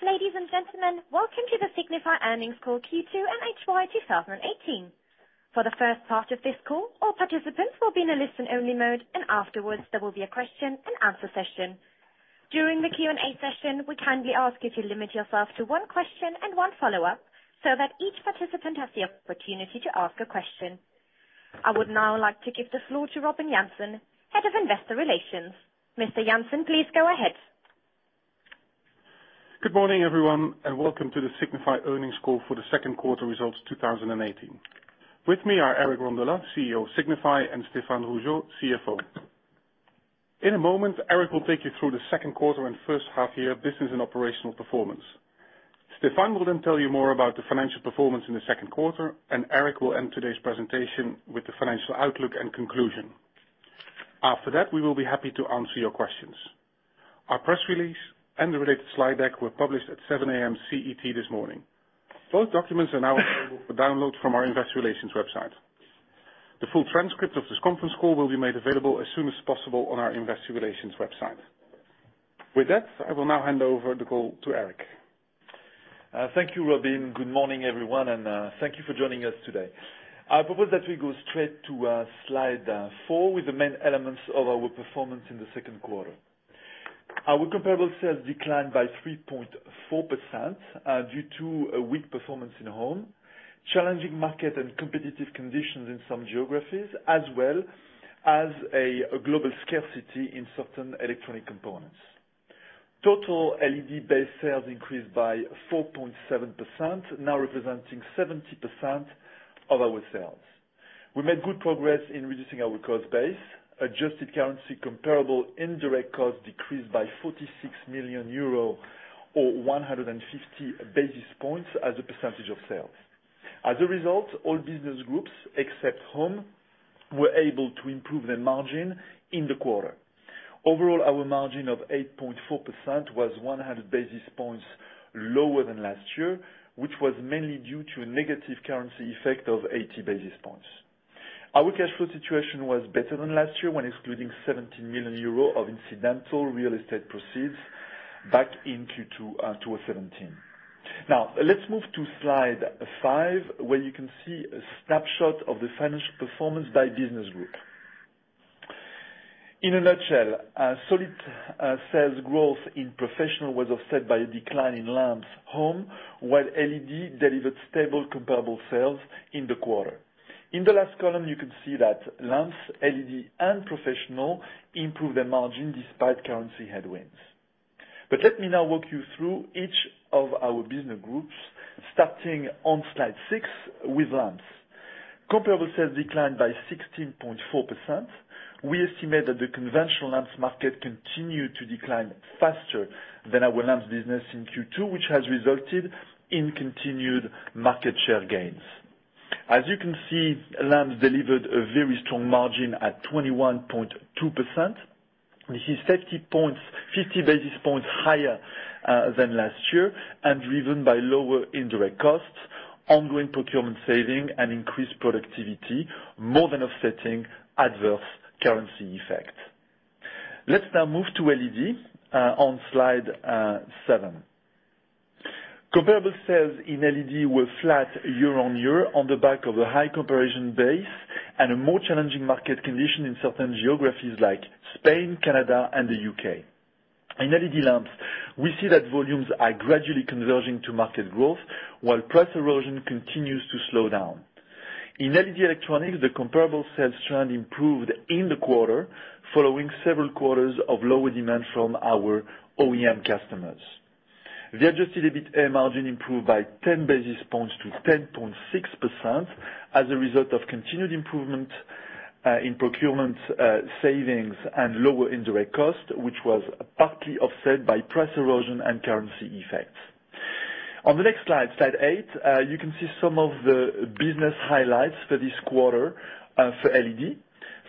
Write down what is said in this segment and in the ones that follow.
Ladies and gentlemen, welcome to the Signify earnings call Q2 and HY 2018. For the first part of this call, all participants will be in a listen-only mode. Afterwards, there will be a question and answer session. During the Q&A session, we kindly ask you to limit yourself to one question and one follow-up, so that each participant has the opportunity to ask a question. I would now like to give the floor to Robin Jansen, Head of Investor Relations. Mr. Jansen, please go ahead. Good morning, everyone, and welcome to the Signify earnings call for the second quarter results 2018. With me are Eric Rondolat, CEO of Signify, and Stéphane Rougeot, CFO. In a moment, Eric will take you through the second quarter and first half year business and operational performance. Stéphane will tell you more about the financial performance in the second quarter. Eric will end today's presentation with the financial outlook and conclusion. After that, we will be happy to answer your questions. Our press release and the related slide deck were published at 7:00 A.M. CET this morning. Both documents are now available for download from our investor relations website. The full transcript of this conference call will be made available as soon as possible on our investor relations website. With that, I will now hand over the call to Eric. Thank you, Robin. Good morning, everyone, and thank you for joining us today. I propose that we go straight to slide four with the main elements of our performance in the second quarter. Our comparable sales declined by 3.4% due to a weak performance in Home, challenging market and competitive conditions in some geographies, as well as a global scarcity in certain electronic components. Total LED-based sales increased by 4.7%, now representing 70% of our sales. We made good progress in reducing our cost base. Adjusted currency comparable indirect costs decreased by 46 million euros or 150 basis points as a percentage of sales. As a result, all business groups except Home were able to improve their margin in the quarter. Overall, our margin of 8.4% was 100 basis points lower than last year, which was mainly due to a negative currency effect of 80 basis points. Our cash flow situation was better than last year when excluding 17 million euro of incidental real estate proceeds back in Q2 2017. Let's move to slide five, where you can see a snapshot of the financial performance by business group. In a nutshell, solid sales growth in Professional was offset by a decline in lamps Home, while LED delivered stable comparable sales in the quarter. In the last column, you can see that lamps, LED, and Professional improved their margin despite currency headwinds. Let me now walk you through each of our business groups, starting on slide six with lamps. Comparable sales declined by 16.4%. We estimate that the conventional lamps market continued to decline faster than our lamps business in Q2, which has resulted in continued market share gains. As you can see, lamps delivered a very strong margin at 21.2%. This is 50 basis points higher than last year. Driven by lower indirect costs, ongoing procurement saving, and increased productivity, more than offsetting adverse currency effect. Now let's move to LED on slide seven. Comparable sales in LED were flat year on year on the back of a high comparison base and a more challenging market condition in certain geographies like Spain, Canada, and the U.K. In LED lamps, we see that volumes are gradually converging to market growth while price erosion continues to slow down. In LED electronics, the comparable sales trend improved in the quarter following several quarters of lower demand from our OEM customers. The adjusted EBITA margin improved by 10 basis points to 10.6% as a result of continued improvement in procurement savings and lower indirect cost, which was partly offset by price erosion and currency effects. On the next slide eight, you can see some of the business highlights for this quarter for LED.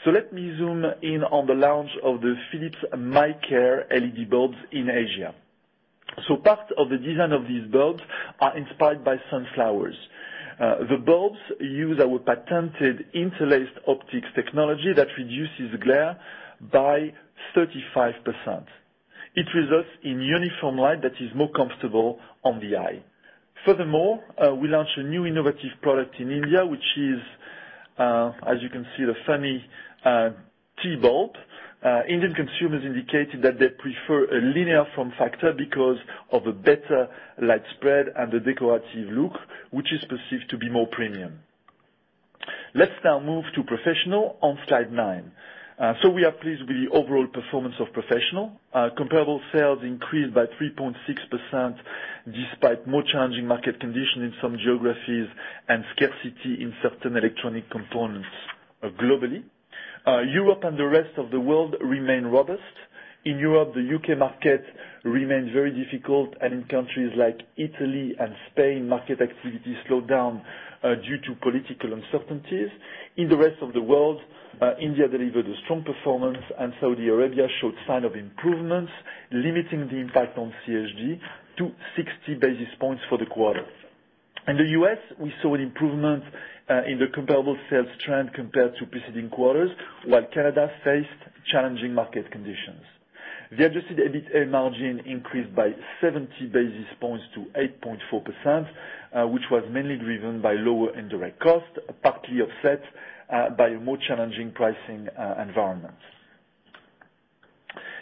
Let me zoom in on the launch of the Philips MyCare LED bulbs in Asia. Part of the design of these bulbs are inspired by sunflowers. The bulbs use our patented Interlaced Optics technology that reduces glare by 35%. It results in uniform light that is more comfortable on the eye. Furthermore, we launched a new innovative product in India, which is, as you can see, the Philips T Bulb. Indian consumers indicated that they prefer a linear form factor because of a better light spread and the decorative look, which is perceived to be more premium. Now let's move to Professional on slide nine. We are pleased with the overall performance of Professional. Comparable sales increased by 3.6%, despite more challenging market condition in some geographies and scarcity in certain electronic components globally. Europe and the rest of the world remain robust. In Europe, the U.K. market remains very difficult, and in countries like Italy and Spain, market activity slowed down due to political uncertainties. In the rest of the world, India delivered a strong performance, and Saudi Arabia showed sign of improvements, limiting the impact on CSG to 60 basis points for the quarter. In the U.S., we saw an improvement in the comparable sales trend compared to preceding quarters, while Canada faced challenging market conditions. The adjusted EBITA margin increased by 70 basis points to 8.4%, which was mainly driven by lower indirect cost, partly offset by a more challenging pricing environment.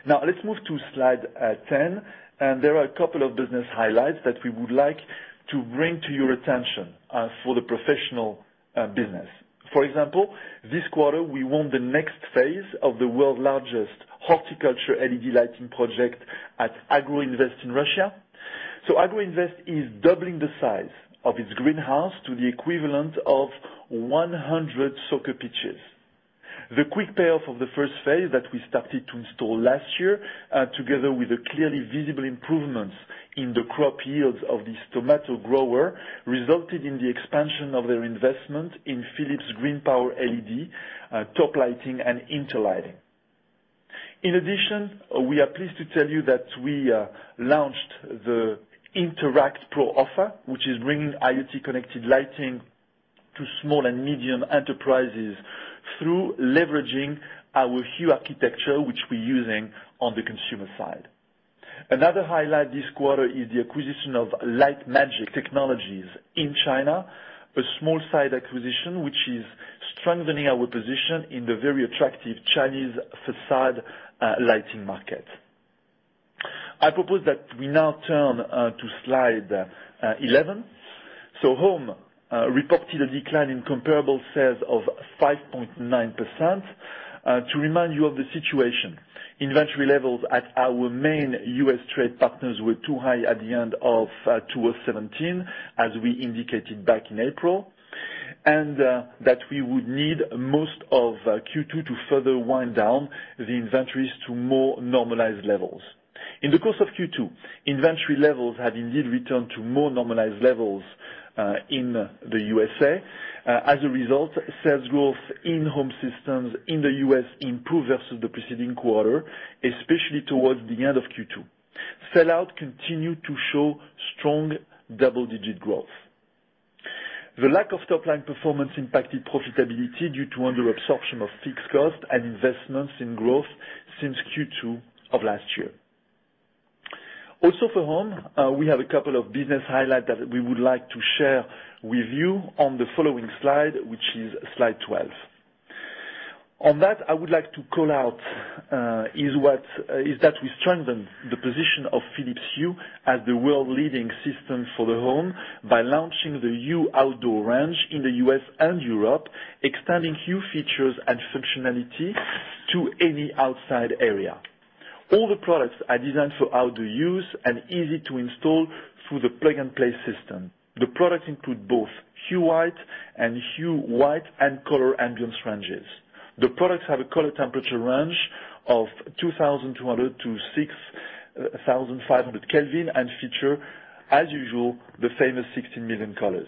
Now let's move to slide 10. There are a couple of business highlights that we would like to bring to your attention for the Professional business. For example, this quarter, we won the next phase of the world's largest horticulture LED lighting project at Agro-Invest in Russia. Agro-Invest is doubling the size of its greenhouse to the equivalent of 100 soccer pitches. The quick payoff of the first phase that we started to install last year, together with the clearly visible improvements in the crop yields of this tomato grower, resulted in the expansion of their investment in Philips GreenPower LED top lighting and interlighting. In addition, we are pleased to tell you that we launched the Interact Pro offer, which is bringing IoT-connected lighting to small and medium enterprises through leveraging our Hue architecture, which we're using on the consumer side. Another highlight this quarter is the acquisition of LiteMagic Technologies in China, a small-size acquisition, which is strengthening our position in the very attractive Chinese facade lighting market. I propose that we now turn to slide 11. Home reported a decline in comparable sales of 5.9%. To remind you of the situation, inventory levels at our main U.S. trade partners were too high at the end of 2017, as we indicated back in April, and that we would need most of Q2 to further wind down the inventories to more normalized levels. In the course of Q2, inventory levels have indeed returned to more normalized levels in the U.S. As a result, sales growth in home systems in the U.S. improved versus the preceding quarter, especially towards the end of Q2. Sell-out continued to show strong double-digit growth. The lack of top-line performance impacted profitability due to under-absorption of fixed costs and investments in growth since Q2 of last year. Also for Home, we have a couple of business highlights that we would like to share with you on the following slide, which is slide 12. On that, I would like to call out is that we strengthened the position of Philips Hue as the world leading system for the home by launching the Hue outdoor range in the U.S. and Europe, extending Hue features and functionality to any outside area. All the products are designed for outdoor use and easy to install through the plug-and-play system. The products include both Hue White and Hue White and color ambiance ranges. The products have a color temperature range of 2,200 to 6,500 Kelvin and feature, as usual, the famous 16 million colors.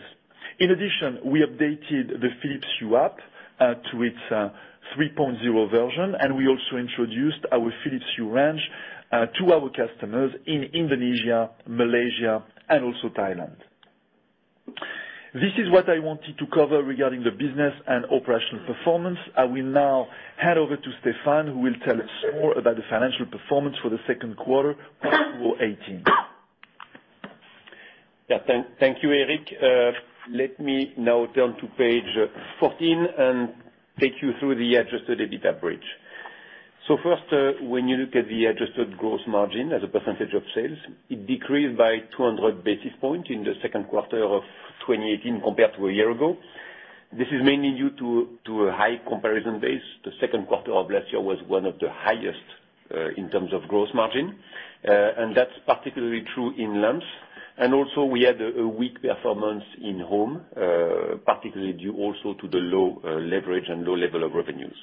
In addition, we updated the Philips Hue app to its 3.0 version, and we also introduced our Philips Hue range to our customers in Indonesia, Malaysia, and also Thailand. This is what I wanted to cover regarding the business and operational performance. I will now hand over to Stéphane, who will tell us more about the financial performance for the second quarter of 2018. Thank you, Eric. Let me now turn to page 14 and take you through the Adjusted EBITA bridge. First, when you look at the adjusted gross margin as a percentage of sales, it decreased by 200 basis points in the second quarter of 2018 compared to a year ago. This is mainly due to a high comparison base. The second quarter of last year was one of the highest in terms of gross margin. That's particularly true in lamps. Also we had a weak performance in Home, particularly due also to the low leverage and low level of revenues.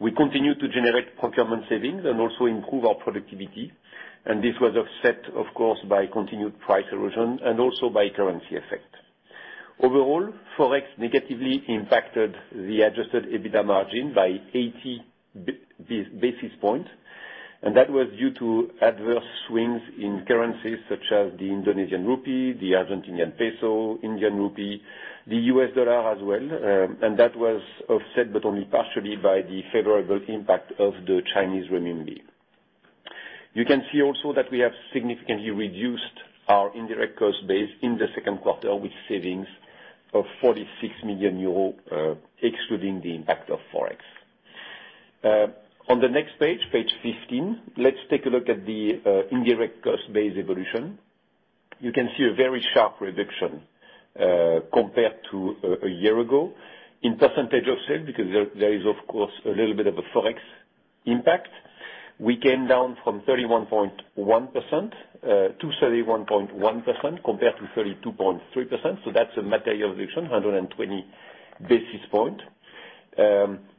We continued to generate procurement savings and also improve our productivity. This was offset, of course, by continued price erosion and also by currency effect. Overall, Forex negatively impacted the Adjusted EBITA margin by 80 basis points. That was due to adverse swings in currencies such as the Indonesian rupiah, the Argentinian peso, Indian rupee, the U.S. dollar as well. That was offset, but only partially, by the favorable impact of the Chinese renminbi. You can see also that we have significantly reduced our indirect cost base in the second quarter, with savings of 46 million euros, excluding the impact of Forex. On the next page 15, let's take a look at the indirect cost base evolution. You can see a very sharp reduction compared to a year ago in percentage of sale, because there is, of course, a little bit of a Forex impact. We came down from 32.3% to 31.1% compared to 32.3%, so that's a material reduction, 120 basis points.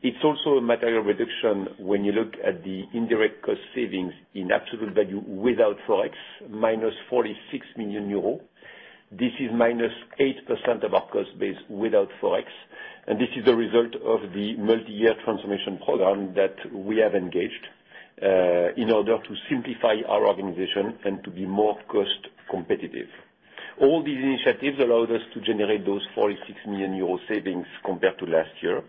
It's also a material reduction when you look at the indirect cost savings in absolute value without Forex, minus 46 million euros. This is minus 8% of our cost base without Forex. This is a result of the multi-year transformation program that we have engaged in order to simplify our organization and to be more cost competitive. All these initiatives allowed us to generate those 46 million euro savings compared to last year.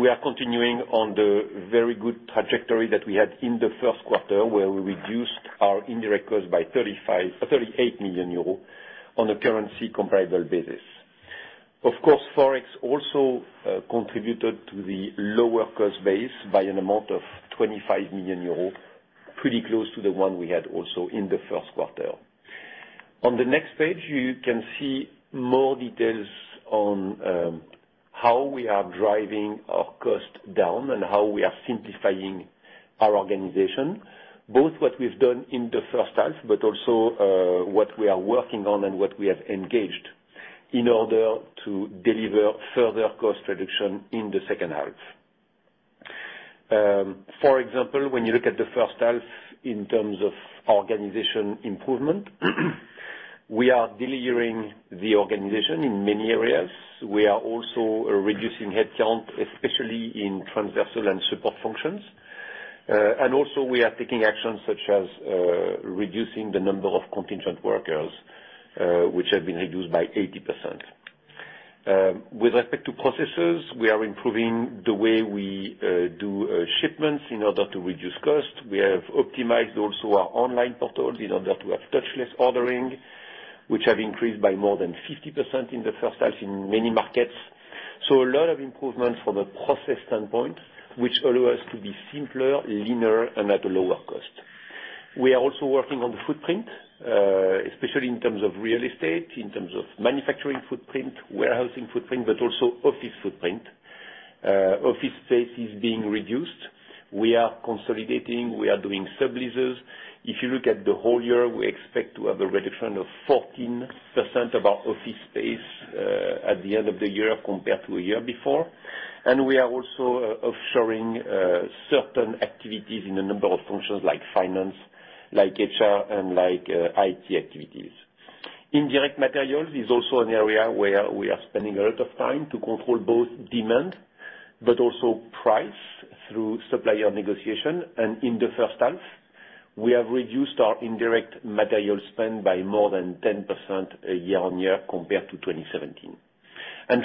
We are continuing on the very good trajectory that we had in the first quarter, where we reduced our indirect costs by 38 million euros on a currency comparable basis. Of course, Forex also contributed to the lower cost base by an amount of 25 million euros, pretty close to the one we had also in the first quarter. On the next page, you can see more details on how we are driving our cost down and how we are simplifying our organization, both what we've done in the first half, but also what we are working on and what we have engaged in order to deliver further cost reduction in the second half. For example, when you look at the first half in terms of organization improvement, we are delivering the organization in many areas. We are also reducing headcount, especially in transversal and support functions. We are taking actions such as reducing the number of contingent workers, which have been reduced by 80%. With respect to processes, we are improving the way we do shipments in order to reduce cost. We have optimized also our online portal in order to have touchless ordering, which have increased by more than 50% in the first half in many markets. A lot of improvements from a process standpoint, which allow us to be simpler, leaner, and at a lower cost. We are also working on the footprint, especially in terms of real estate, in terms of manufacturing footprint, warehousing footprint, but also office footprint. Office space is being reduced. We are consolidating. We are doing sub leases. If you look at the whole year, we expect to have a reduction of 14% of our office space at the end of the year compared to a year before. We are also offshoring certain activities in a number of functions like finance, like HR, and like IT activities. Indirect materials is also an area where we are spending a lot of time to control both demand but also price through supplier negotiation. In the first half, we have reduced our indirect material spend by more than 10% year-on-year compared to 2017.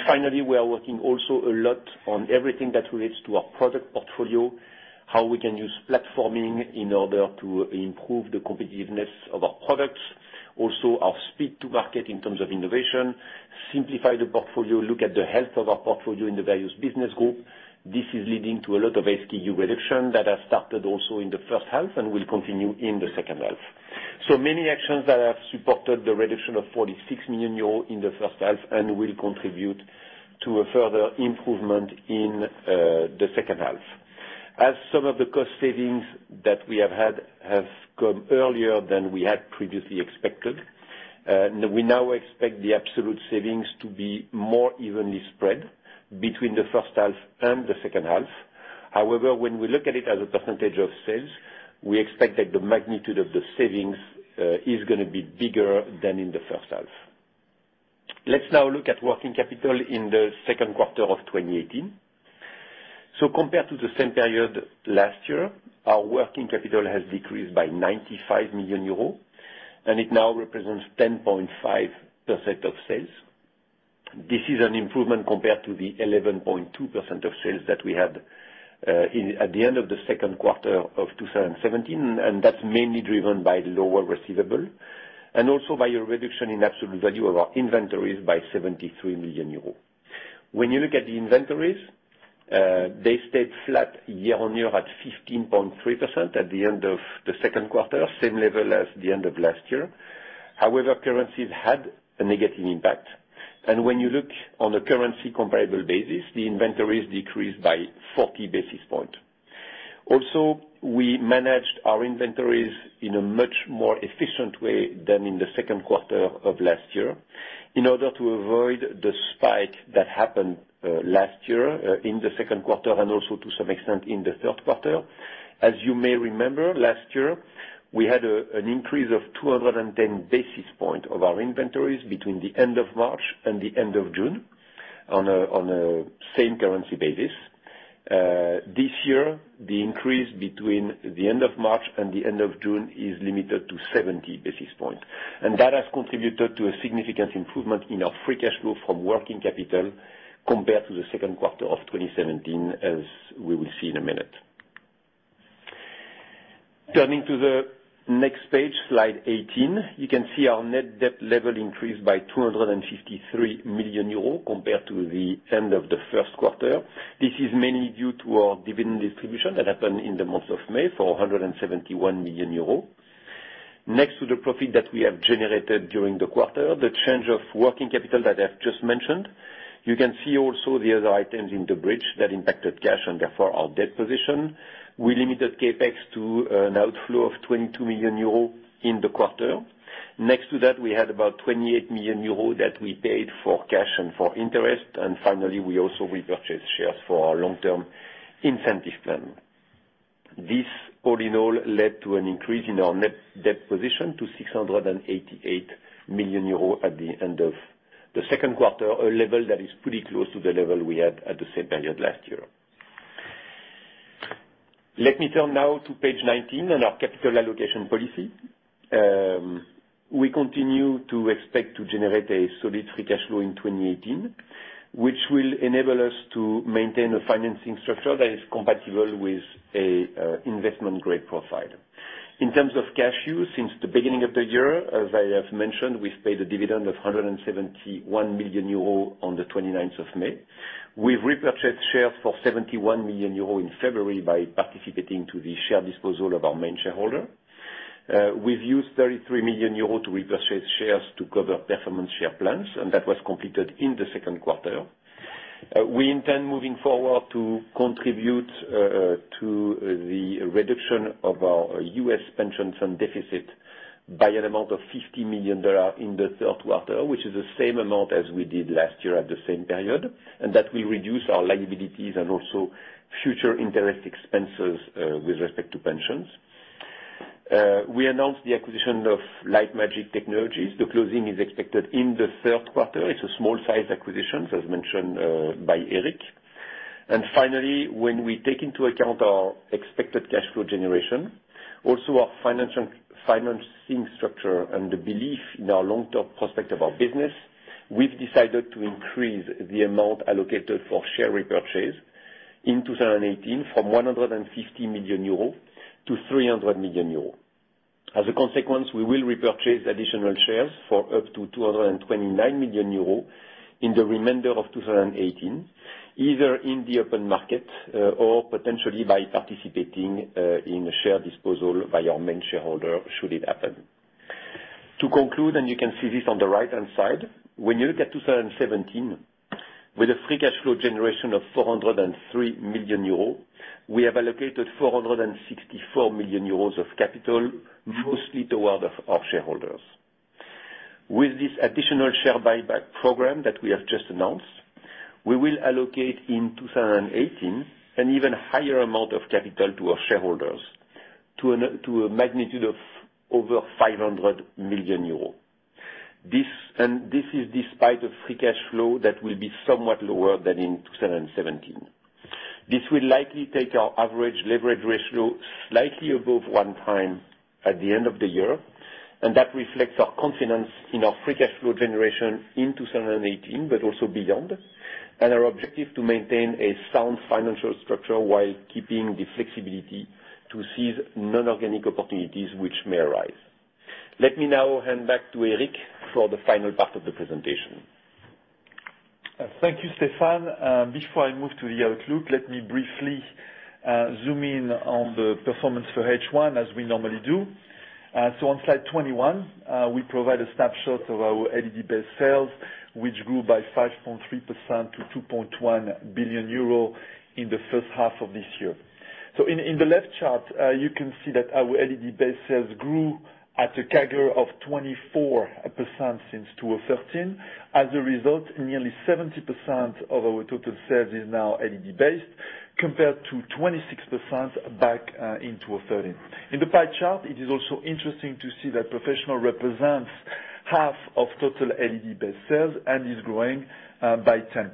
Finally, we are working also a lot on everything that relates to our product portfolio, how we can use platforming in order to improve the competitiveness of our products. Our speed to market in terms of innovation, simplify the portfolio, look at the health of our portfolio in the various business group. This is leading to a lot of SKU reduction that has started also in the first half and will continue in the second half. Many actions that have supported the reduction of 84 million euros in the first half and will contribute to a further improvement in the second half. As some of the cost savings that we have had have come earlier than we had previously expected, we now expect the absolute savings to be more evenly spread between the first half and the second half. However, when we look at it as a percentage of sales, we expect that the magnitude of the savings is going to be bigger than in the first half. Let's now look at working capital in the second quarter of 2018. Compared to the same period last year, our working capital has decreased by 95 million euros, and it now represents 10.5% of sales. This is an improvement compared to the 11.2% of sales that we had at the end of the second quarter of 2017, and that's mainly driven by lower receivables and also by a reduction in absolute value of our inventories by 73 million euros. When you look at the inventories, they stayed flat year-on-year at 15.3% at the end of the second quarter, same level as the end of last year. However, currencies had a negative impact. When you look on a currency comparable basis, the inventories decreased by 40 basis points. We managed our inventories in a much more efficient way than in the second quarter of last year in order to avoid the spike that happened last year in the second quarter and also to some extent in the third quarter. As you may remember, last year, we had an increase of 210 basis points of our inventories between the end of March and the end of June on a same currency basis. This year, the increase between the end of March and the end of June is limited to 70 basis points. That has contributed to a significant improvement in our free cash flow from working capital compared to the second quarter of 2017, as we will see in a minute. Turning to the next page, slide 18, you can see our net debt level increased by 253 million euros compared to the end of the first quarter. This is mainly due to our dividend distribution that happened in the month of May for 171 million euros. Next to the profit that we have generated during the quarter, the change of working capital that I've just mentioned, you can see also the other items in the bridge that impacted cash and therefore our debt position. We limited CapEx to an outflow of 22 million euro in the quarter. Next to that, we had about 28 million euro that we paid for cash and for interest, and finally, we also repurchased shares for our long-term incentive plan. This all in all led to an increase in our net debt position to 688 million euros at the end of the second quarter, a level that is pretty close to the level we had at the same period last year. Let me turn now to page 19 and our capital allocation policy. We continue to expect to generate a solid free cash flow in 2018, which will enable us to maintain a investment-grade profile. In terms of cash use, since the beginning of the year, as I have mentioned, we've paid a dividend of 171 million euros on the 29th of May. We've repurchased shares for 71 million euros in February by participating to the share disposal of our main shareholder. We've used 33 million euros to repurchase shares to cover performance share plans, and that was completed in the second quarter. We intend, moving forward, to contribute to the reduction of our U.S. pensions and deficit by an amount of $50 million in the third quarter, which is the same amount as we did last year at the same period, and that will reduce our liabilities and also future interest expenses with respect to pensions. We announced the acquisition of LiteMagic Technologies. The closing is expected in the third quarter. It's a small-sized acquisition, as mentioned by Eric. Finally, when we take into account our expected cash flow generation, also our financing structure, and the belief in our long-term prospect of our business, we've decided to increase the amount allocated for share repurchase in 2018 from 150 million euros to 300 million euros. As a consequence, we will repurchase additional shares for up to 229 million euros in the remainder of 2018, either in the open market or potentially by participating in a share disposal by our main shareholder, should it happen. To conclude, you can see this on the right-hand side, when you look at 2017, with a free cash flow generation of 403 million euros, we have allocated 464 million euros of capital, mostly toward our shareholders. With this additional share buyback program that we have just announced, we will allocate in 2018 an even higher amount of capital to our shareholders, to a magnitude of over 500 million euros. This is despite a free cash flow that will be somewhat lower than in 2017. This will likely take our average leverage ratio slightly above one time at the end of the year, that reflects our confidence in our free cash flow generation in 2018, but also beyond. Our objective to maintain a sound financial structure while keeping the flexibility to seize non-organic opportunities which may arise. Let me now hand back to Eric for the final part of the presentation. Thank you, Stéphane. Before I move to the outlook, let me briefly zoom in on the performance for H1, as we normally do. On slide 21, we provide a snapshot of our LED-based sales, which grew by 5.3% to 2.1 billion euro in the first half of this year. In the left chart, you can see that our LED-based sales grew at a CAGR of 24% since 2013. As a result, nearly 70% of our total sales is now LED-based, compared to 26% back in 2013. In the pie chart, it is also interesting to see that Professional represents half of total LED-based sales and is growing by 10%.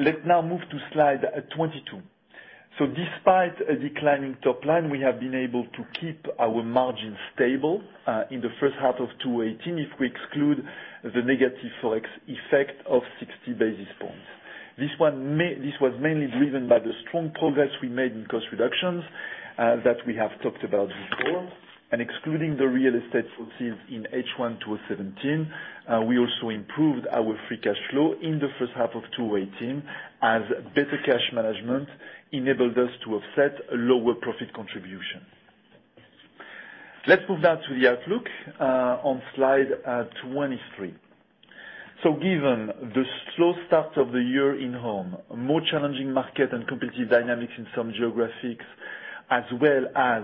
Let's now move to slide 22. Despite a declining top line, we have been able to keep our margin stable in the first half of 2018 if we exclude the negative Forex effect of 60 basis points. This was mainly driven by the strong progress we made in cost reductions that we have talked about before. Excluding the real estate proceeds in H1 2017, we also improved our free cash flow in the first half of 2018 as better cash management enabled us to offset a lower profit contribution. Let's move now to the outlook on slide 23. Given the slow start of the year in Home, a more challenging market and competitive dynamics in some geographics, as well as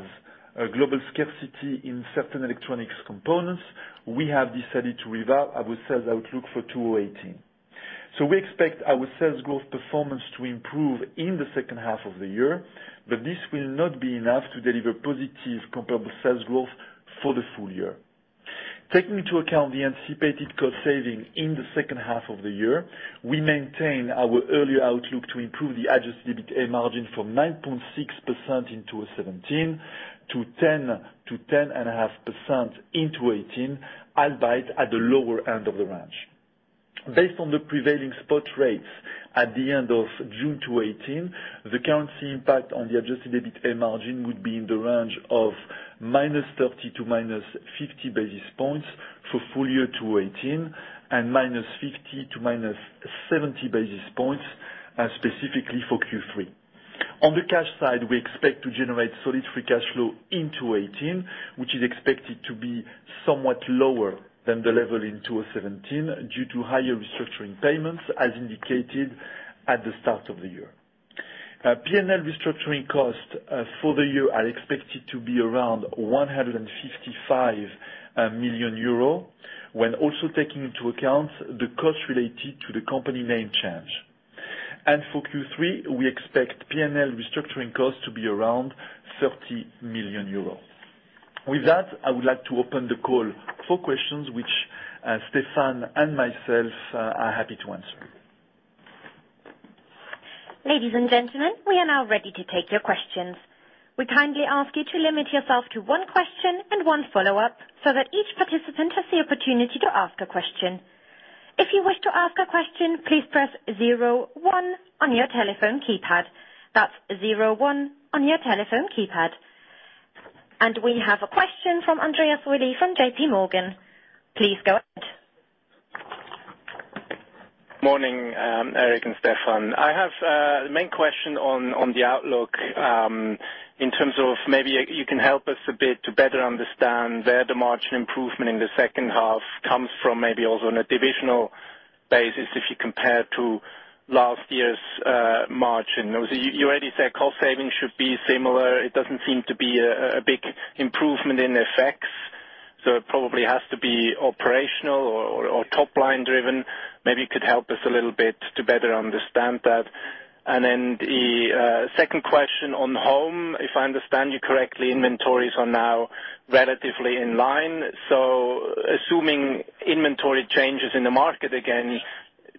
a global scarcity in certain electronics components, we have decided to revise our sales outlook for 2018. We expect our sales growth performance to improve in the second half of the year, but this will not be enough to deliver positive comparable sales growth for the full year. Taking into account the anticipated cost saving in the second half of the year, we maintain our earlier outlook to improve the Adjusted EBITA margin from 9.6% in 2017 to 10%-10.5% in 2018, albeit at the lower end of the range. Based on the prevailing spot rates at the end of June 2018, the currency impact on the Adjusted EBITA margin would be in the range of -30 to -50 basis points for full-year 2018 and -50 to -70 basis points specifically for Q3. On the cash side, we expect to generate solid free cash flow in 2018, which is expected to be somewhat lower than the level in 2017 due to higher restructuring payments as indicated at the start of the year. P&L restructuring cost for the year are expected to be around 155 million euro, when also taking into account the cost related to the company name change. For Q3, we expect P&L restructuring costs to be around 30 million euros. With that, I would like to open the call for questions, which Stéphane and myself are happy to answer. Ladies and gentlemen, we are now ready to take your questions. We kindly ask you to limit yourself to one question and one follow-up so that each participant has the opportunity to ask a question. If you wish to ask a question, please press zero one on your telephone keypad. That's zero one on your telephone keypad. We have a question from Andreas Willi from J.P. Morgan. Please go ahead. Morning, Eric and Stéphane. I have a main question on the outlook in terms of maybe you can help us a bit to better understand where the margin improvement in the second half comes from, maybe also on a divisional basis if you compare to last year's margin. You already said cost savings should be similar. It doesn't seem to be a big improvement in effects, so it probably has to be operational or top-line driven. Maybe you could help us a little bit to better understand that. The second question on Home, if I understand you correctly, inventories are now relatively in line. So assuming inventory changes in the market again,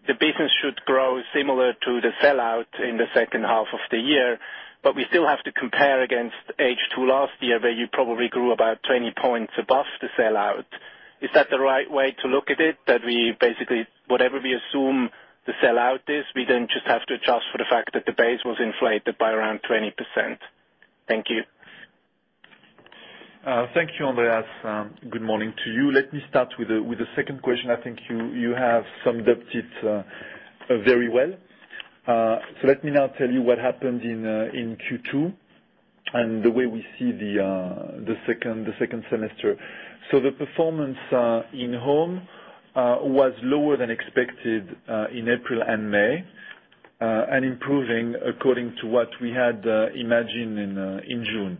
the business should grow similar to the sell-out in the second half of the year. But we still have to compare against H2 last year, where you probably grew about 20 points above the sell-out. Is that the right way to look at it? That we basically, whatever we assume the sell-out is, we then just have to adjust for the fact that the base was inflated by around 20%? Thank you. Thank you, Andreas. Good morning to you. Let me start with the second question. I think you have summed it up very well. Let me now tell you what happened in Q2 and the way we see the second semester. The performance in Home was lower than expected in April and May, and improving according to what we had imagined in June.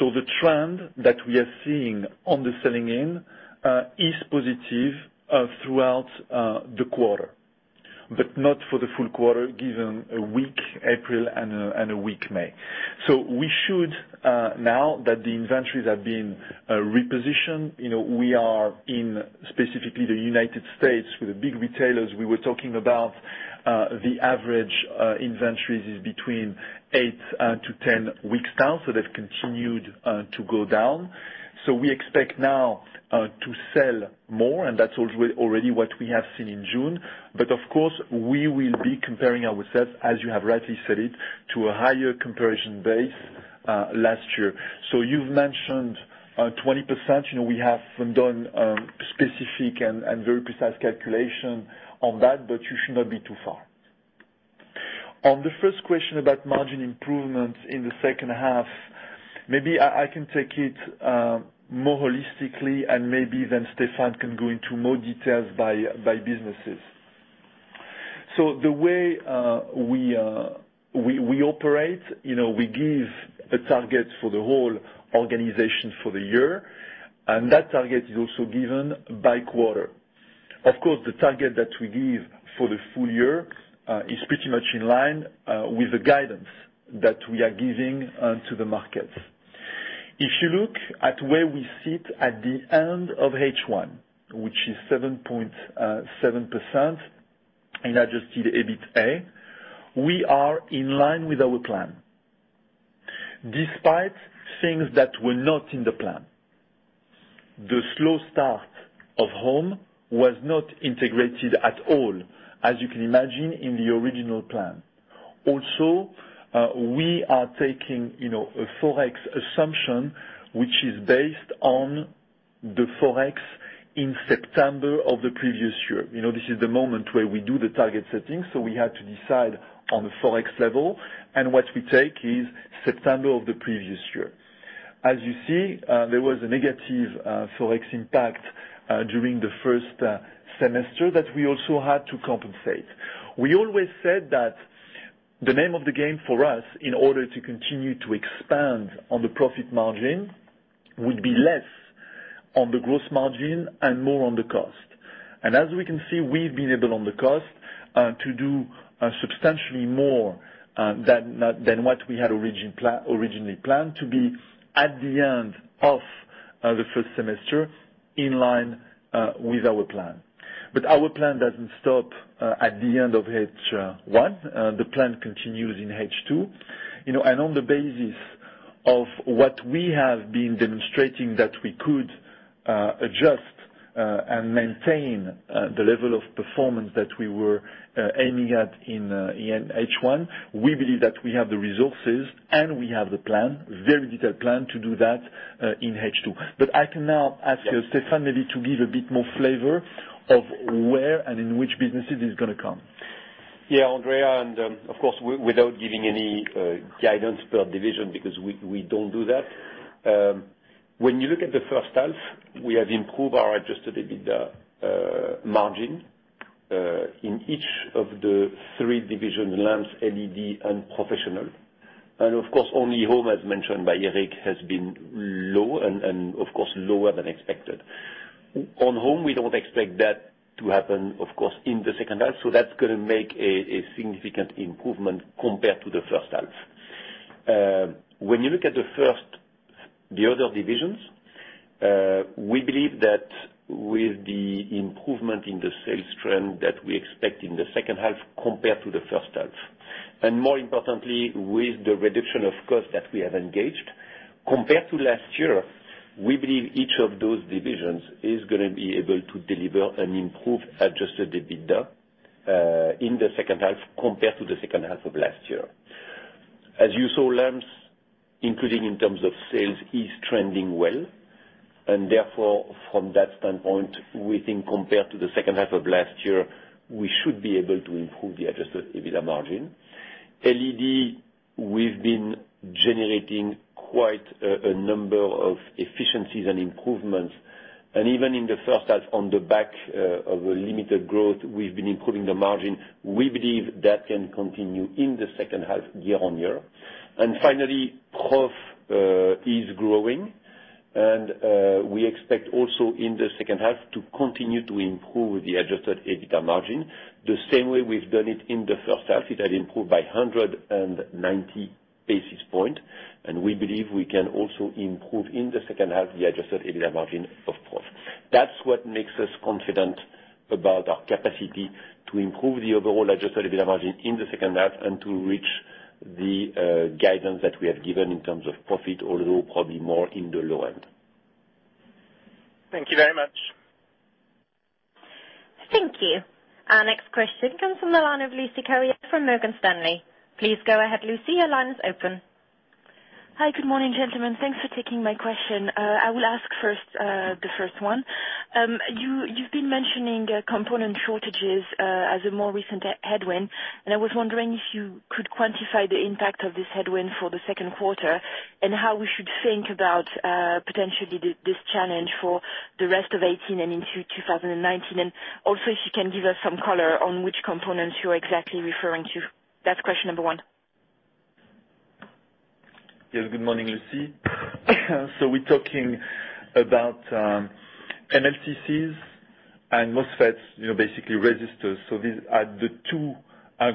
The trend that we are seeing on the selling in is positive throughout the quarter, but not for the full quarter, given a weak April and a weak May. We should, now that the inventories have been repositioned, we are in, specifically the U.S. with the big retailers we were talking about, the average inventory is between eight and 10 weeks now, so they've continued to go down. We expect now to sell more, and that's already what we have seen in June. Of course, we will be comparing ourselves, as you have rightly said it, to a higher comparison base last year. You've mentioned 20%. We haven't done specific and very precise calculation on that, but you should not be too far. On the first question about margin improvements in the second half, maybe I can take it more holistically and maybe then Stéphane can go into more details by businesses. The way we operate, we give a target for the whole organization for the year, and that target is also given by quarter. Of course, the target that we give for the full year is pretty much in line with the guidance that we are giving to the markets. If you look at where we sit at the end of H1, which is 7.7% in Adjusted EBITA, we are in line with our plan despite things that were not in the plan. The slow start of Home was not integrated at all, as you can imagine, in the original plan. Also, we are taking a Forex assumption which is based on the Forex in September of the previous year. This is the moment where we do the target setting, so we had to decide on the Forex level, and what we take is September of the previous year. As you see, there was a negative Forex impact during the first semester that we also had to compensate. We always said that the name of the game for us, in order to continue to expand on the profit margin, would be less on the gross margin and more on the cost. As we can see, we've been able on the cost to do substantially more than what we had originally planned to be at the end of the first semester in line with our plan. Our plan doesn't stop at the end of H1. The plan continues in H2. On the basis of what we have been demonstrating, that we could adjust and maintain the level of performance that we were aiming at in H1, we believe that we have the resources and we have the plan, very detailed plan, to do that in H2. I can now ask Stéphane maybe to give a bit more flavor of where and in which businesses it's going to come. Andreas, of course, without giving any guidance per division, because we don't do that. When you look at the first half, we have improved our Adjusted EBITA margin in each of the three divisions, Lamps, LED, and Professional. Of course, only Home, as mentioned by Eric, has been low and of course lower than expected. On Home, we don't expect that to happen, of course, in the second half, so that's going to make a significant improvement compared to the first half. When you look at the other divisions, we believe that with the improvement in the sales trend that we expect in the second half compared to the first half. More importantly, with the reduction of cost that we have engaged. Compared to last year, we believe each of those divisions is going to be able to deliver an improved Adjusted EBITA in the second half compared to the second half of last year. As you saw, Lamps, including in terms of sales, is trending well. Therefore, from that standpoint, we think compared to the second half of last year, we should be able to improve the Adjusted EBITA margin. LED, we've been generating quite a number of efficiencies and improvements. Even in the first half on the back of a limited growth, we've been improving the margin. We believe that can continue in the second half year-on-year. Finally, Professional is growing. We expect also in the second half to continue to improve the Adjusted EBITA margin, the same way we've done it in the first half. It had improved by 190 basis points. We believe we can also improve in the second half the Adjusted EBITA margin of Professional. That's what makes us confident about our capacity to improve the overall Adjusted EBITA margin in the second half and to reach the guidance that we have given in terms of profit, although probably more in the low end. Thank you very much. Thank you. Our next question comes from the line of Lucie Carriat from Morgan Stanley. Please go ahead, Lucie. Your line is open. Hi. Good morning, gentlemen. Thanks for taking my question. I will ask first the first one. I was wondering if you could quantify the impact of this headwind for the second quarter, how we should think about potentially this challenge for the rest of 2018 and into 2019. Also, if you can give us some color on which components you're exactly referring to. That's question number 1. Yes, good morning, Lucie. We're talking about MLCCs and MOSFETs, basically resistors. These are the two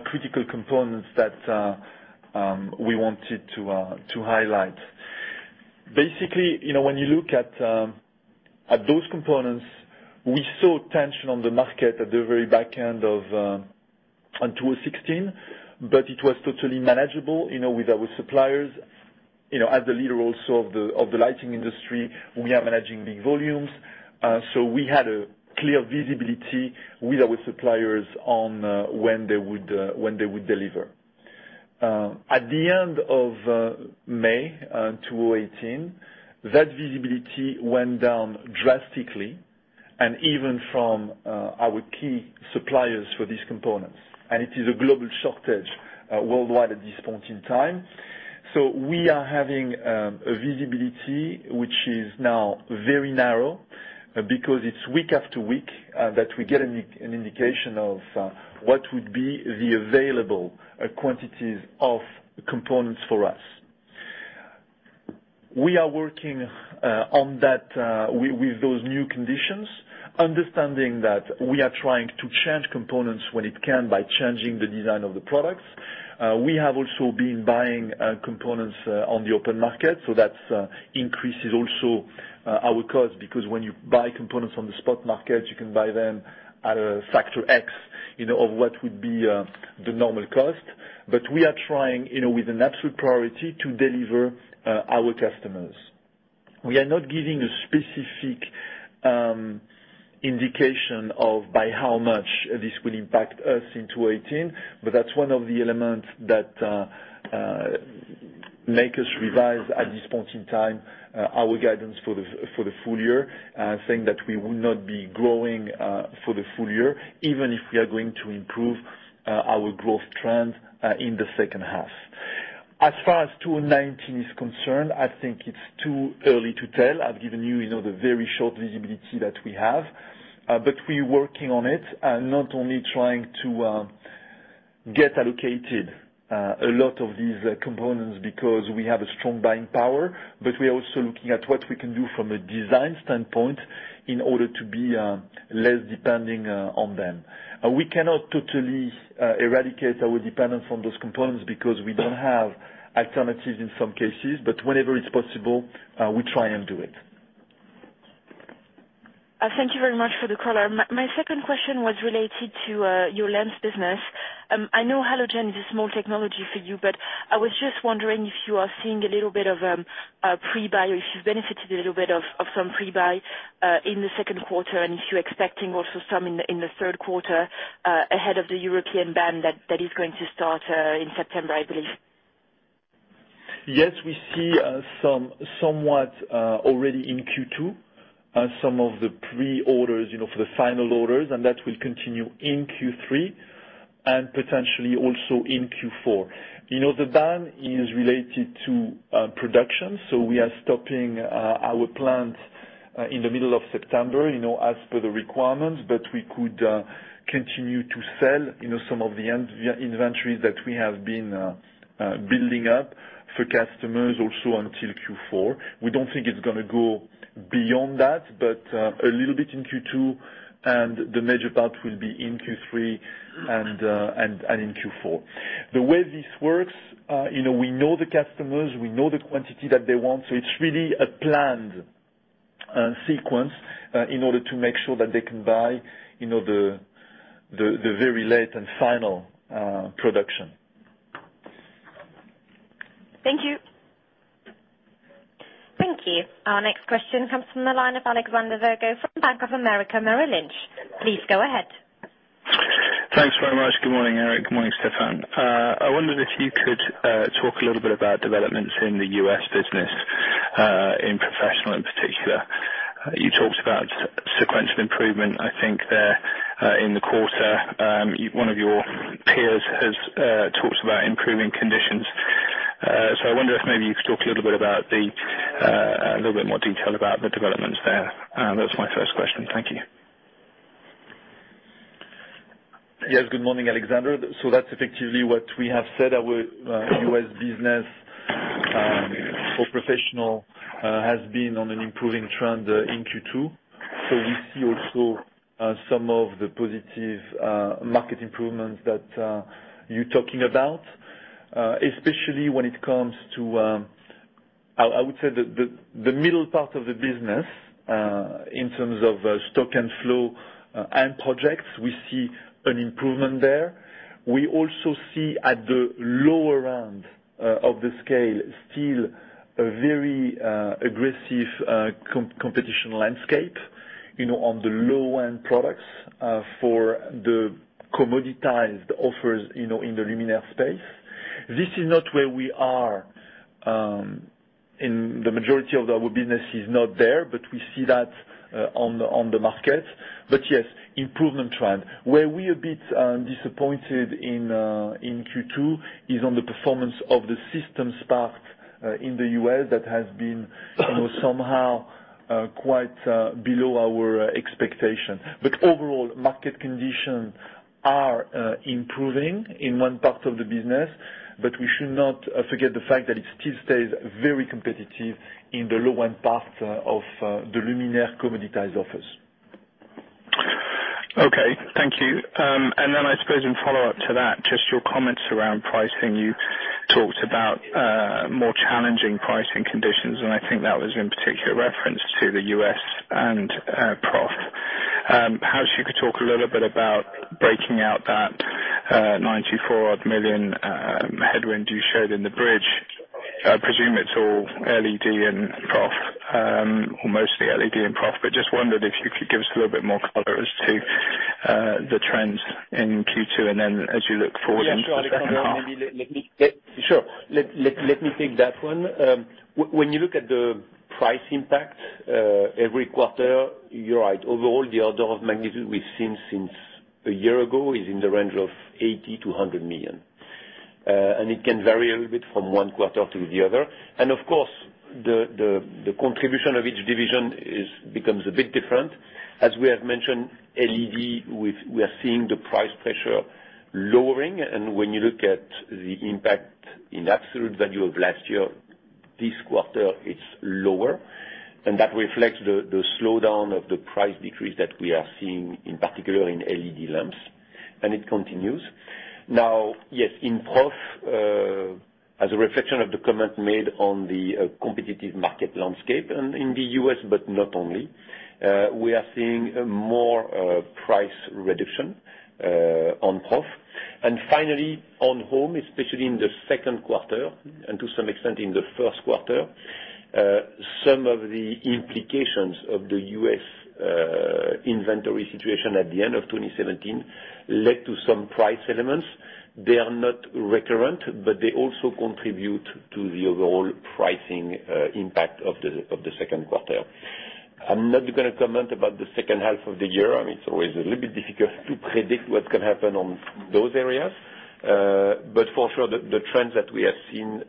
critical components that we wanted to highlight. Basically, when you look at those components, we saw tension on the market at the very back end of 2016, it was totally manageable with our suppliers. As a leader also of the lighting industry, we are managing big volumes. We had a clear visibility with our suppliers on when they would deliver. At the end of May 2018, that visibility went down drastically and even from our key suppliers for these components. It is a global shortage worldwide at this point in time. We are having a visibility which is now very narrow because it's week after week that we get an indication of what would be the available quantities of components for us. We are working on that with those new conditions, understanding that we are trying to change components when it can by changing the design of the products. We have also been buying components on the open market. That increases also our cost because when you buy components on the spot market, you can buy them at a factor X of what would be the normal cost. We are trying with an absolute priority to deliver our customers. We are not giving a specific indication of by how much this will impact us in 2018, but that's one of the elements that make us revise at this point in time our guidance for the full year, saying that we will not be growing for the full year, even if we are going to improve our growth trend in the second half. As far as 2019 is concerned, I think it's too early to tell. I've given you the very short visibility that we have. We're working on it and not only trying to get allocated a lot of these components because we have a strong buying power, but we are also looking at what we can do from a design standpoint in order to be less depending on them. We cannot totally eradicate our dependence on those components because we don't have alternatives in some cases, but whenever it's possible, we try and do it. Thank you very much for the color. My second question was related to your lamps business. I know halogen is a small technology for you, but I was just wondering if you are seeing a little bit of a pre-buy or if you've benefited a little bit of some pre-buy in the second quarter and if you're expecting also some in the third quarter ahead of the European ban that is going to start in September, I believe. Yes, we see somewhat already in Q2 some of the pre-orders for the final orders. That will continue in Q3 and potentially also in Q4. The ban is related to production, we are stopping our plant In the middle of September, as per the requirements. We could continue to sell some of the inventories that we have been building up for customers also until Q4. We don't think it's going to go beyond that, but a little bit in Q2 and the major part will be in Q3 and in Q4. The way this works, we know the customers, we know the quantity that they want, so it's really a planned sequence in order to make sure that they can buy the very late and final production. Thank you. Thank you. Our next question comes from the line of Alexander Virgo from Bank of America Merrill Lynch. Please go ahead. Thanks very much. Good morning, Eric. Good morning, Stéphane. I wondered if you could talk a little bit about developments in the U.S. business, in Professional, in particular. You talked about sequential improvement, I think, there in the quarter. One of your peers has talked about improving conditions. I wonder if maybe you could talk a little bit more detail about the developments there. That was my first question. Thank you. Yes, good morning, Alexander. That's effectively what we have said. Our U.S. business for Professional has been on an improving trend in Q2. We see also some of the positive market improvements that you're talking about, especially when it comes to, I would say, the middle part of the business, in terms of stock and flow and projects. We see an improvement there. We also see at the lower end of the scale still a very aggressive competition landscape on the low-end products for the commoditized offers in the luminaire space. This is not where we are. The majority of our business is not there, but we see that on the market. Yes, improvement trend. Where we are a bit disappointed in Q2 is on the performance of the systems part in the U.S. that has been somehow quite below our expectation. Overall, market condition are improving in one part of the business, but we should not forget the fact that it still stays very competitive in the low-end part of the luminaire commoditized offers. Okay, thank you. I suppose in follow-up to that, just your comments around pricing. You talked about more challenging pricing conditions, and I think that was in particular reference to the U.S. and Professional. Perhaps you could talk a little bit about breaking out that 94-odd million headwind you showed in the bridge. I presume it's all LED and Professional, or mostly LED and Professional, but just wondered if you could give us a little bit more color as to the trends in Q2, and then as you look forward- Yeah, sure, Alexander. to the second half. Sure. Let me take that one. When you look at the price impact every quarter, you are right. Overall, the order of magnitude we have seen since a year ago is in the range of 80 million-100 million. It can vary a little bit from one quarter to the other. Of course, the contribution of each division becomes a bit different. As we have mentioned, LED, we are seeing the price pressure lowering. When you look at the impact in absolute value of last year, this quarter, it is lower. That reflects the slowdown of the price decrease that we are seeing, in particular in LED lamps. It continues. Now, yes, in Professional, as a reflection of the comment made on the competitive market landscape and in the U.S., but not only, we are seeing more price reduction on Professional. Finally, on Home, especially in the second quarter, and to some extent in the first quarter, some of the implications of the U.S. inventory situation at the end of 2017 led to some price elements. They are not recurrent, but they also contribute to the overall pricing impact of the second quarter. I am not going to comment about the second half of the year. It is always a little bit difficult to predict what can happen on those areas. For sure, the trends that we have seen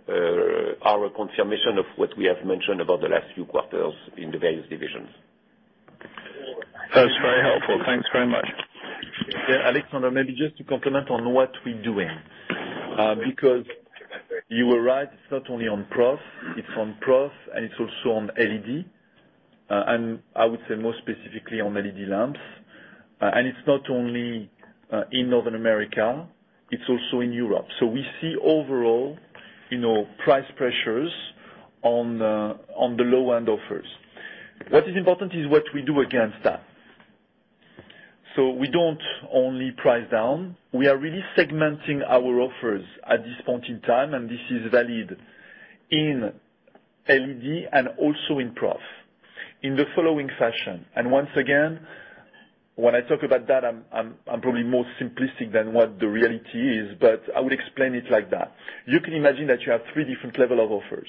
are a confirmation of what we have mentioned about the last few quarters in the various divisions. That is very helpful. Thanks very much. Alexander, maybe just to complement on what we're doing. You are right, it's not only on Professional, it's on Professional and it's also on LED, and I would say more specifically on LED lamps. It's not only in Northern America, it's also in Europe. We see overall price pressures on the low-end offers. What is important is what we do against that. We don't only price down. We are really segmenting our offers at this point in time, and this is valid in LED and also in Professional, in the following fashion. Once again, when I talk about that, I'm probably more simplistic than what the reality is, but I would explain it like that. You can imagine that you have three different level of offers.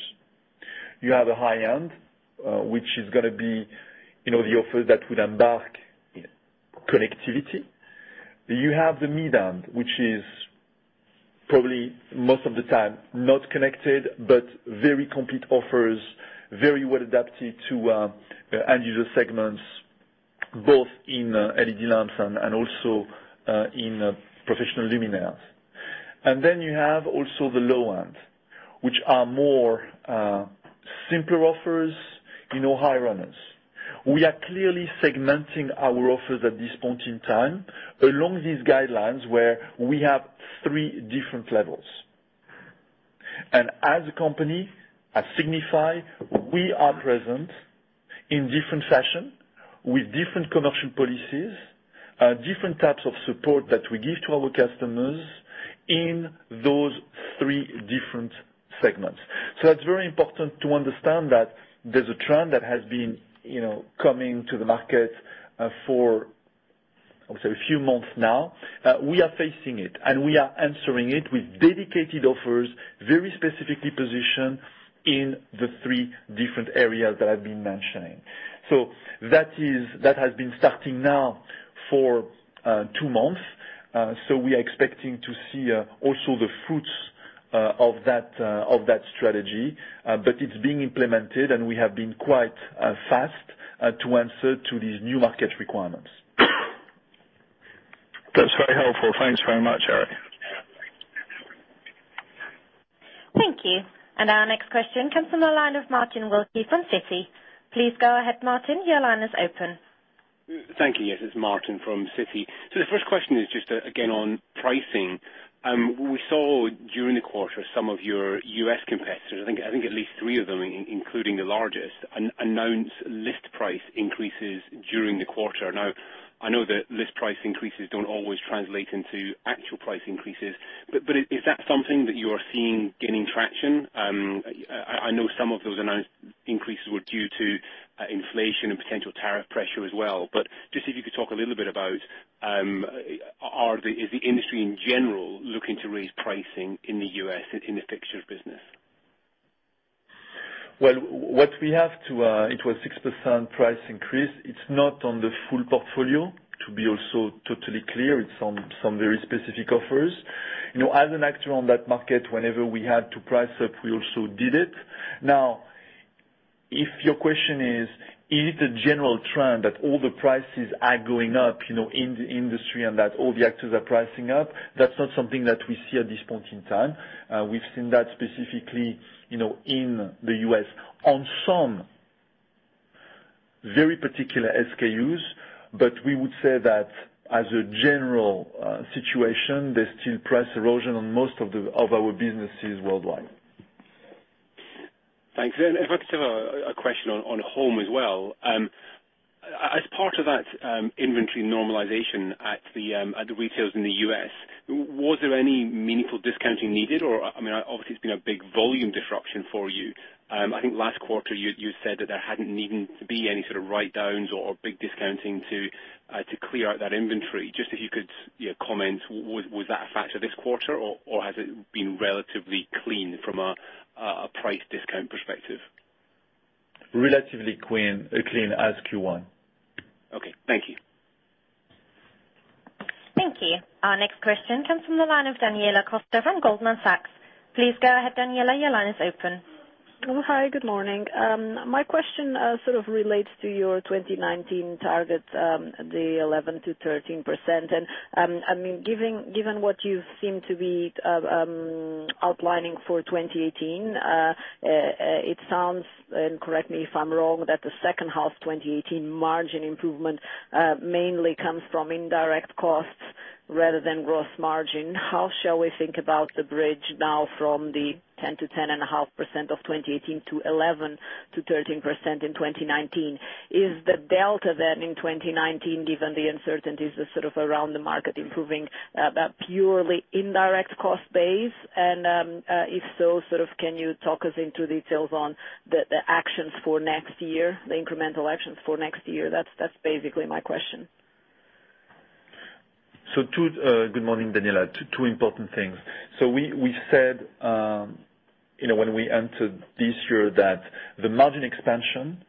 You have a high-end, which is going to be the offer that would embark connectivity. You have the mid-end, which is probably most of the time not connected, but very complete offers, very well adapted to end user segments, both in LED lamps and also in professional luminaires. You have also the low end, which are more simpler offers, high runners. We are clearly segmenting our offers at this point in time along these guidelines where we have 3 different levels. As a company, at Signify, we are present in different fashion with different commercial policies, different types of support that we give to our customers in those 3 different segments. That's very important to understand that there's a trend that has been coming to the market for, say, a few months now. We are facing it, and we are answering it with dedicated offers, very specifically positioned in the 3 different areas that I've been mentioning. That has been starting now for two months. We are expecting to see also the fruits of that strategy. It's being implemented, and we have been quite fast to answer to these new market requirements. That's very helpful. Thanks very much, Eric. Thank you. Our next question comes from the line of Martin Wilkie from Citi. Please go ahead, Martin. Your line is open. Thank you. Yes, it's Martin from Citi. The first question is just, again, on pricing. We saw during the quarter some of your U.S. competitors, I think at least three of them, including the largest, announce list price increases during the quarter. I know that list price increases don't always translate into actual price increases, is that something that you are seeing gaining traction? I know some of those announced increases were due to inflation and potential tariff pressure as well. Just if you could talk a little bit about is the industry in general looking to raise pricing in the U.S. in the fixtures business? Well, it was a 6% price increase. It's not on the full portfolio, to be also totally clear. It's on some very specific offers. As an actor on that market, whenever we had to price up, we also did it. If your question is it a general trend that all the prices are going up in the industry and that all the actors are pricing up, that's not something that we see at this point in time. We've seen that specifically in the U.S. on some very particular SKUs. We would say that as a general situation, there's still price erosion on most of our businesses worldwide. Thanks. If I could have a question on Home as well. As part of that inventory normalization at the retailers in the U.S., was there any meaningful discounting needed? Obviously, it's been a big volume disruption for you. I think last quarter you said that there hadn't needed to be any sort of write-downs or big discounting to clear out that inventory. Just if you could comment, was that a factor this quarter, or has it been relatively clean from a price discount perspective? Relatively clean as Q1. Okay. Thank you. Thank you. Our next question comes from the line of Daniela Costa from Goldman Sachs. Please go ahead, Daniela, your line is open. Hi, good morning. My question sort of relates to your 2019 target, the 11%-13%. Given what you seem to be outlining for 2018, it sounds, and correct me if I'm wrong, that the second half 2018 margin improvement mainly comes from indirect costs rather than gross margin. How shall we think about the bridge now from the 10%-10.5% of 2018 to 11%-13% in 2019? Is the delta then in 2019, given the uncertainties sort of around the market improving purely indirect cost base? If so, can you talk us into details on the actions for next year, the incremental actions for next year? That's basically my question. Good morning, Daniela. Two important things. We said when we entered this year that the margin expansion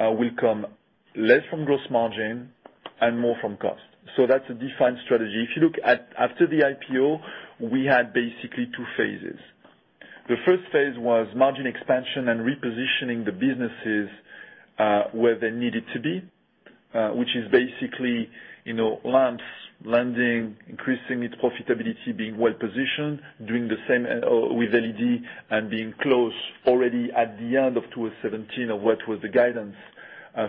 will come less from gross margin and more from cost. That's a defined strategy. If you look after the IPO, we had basically two phases. The first phase was margin expansion and repositioning the businesses where they needed to be, which is basically lamps, lending, increasing its profitability, being well-positioned, doing the same with LED and being close already at the end of 2017 of what was the guidance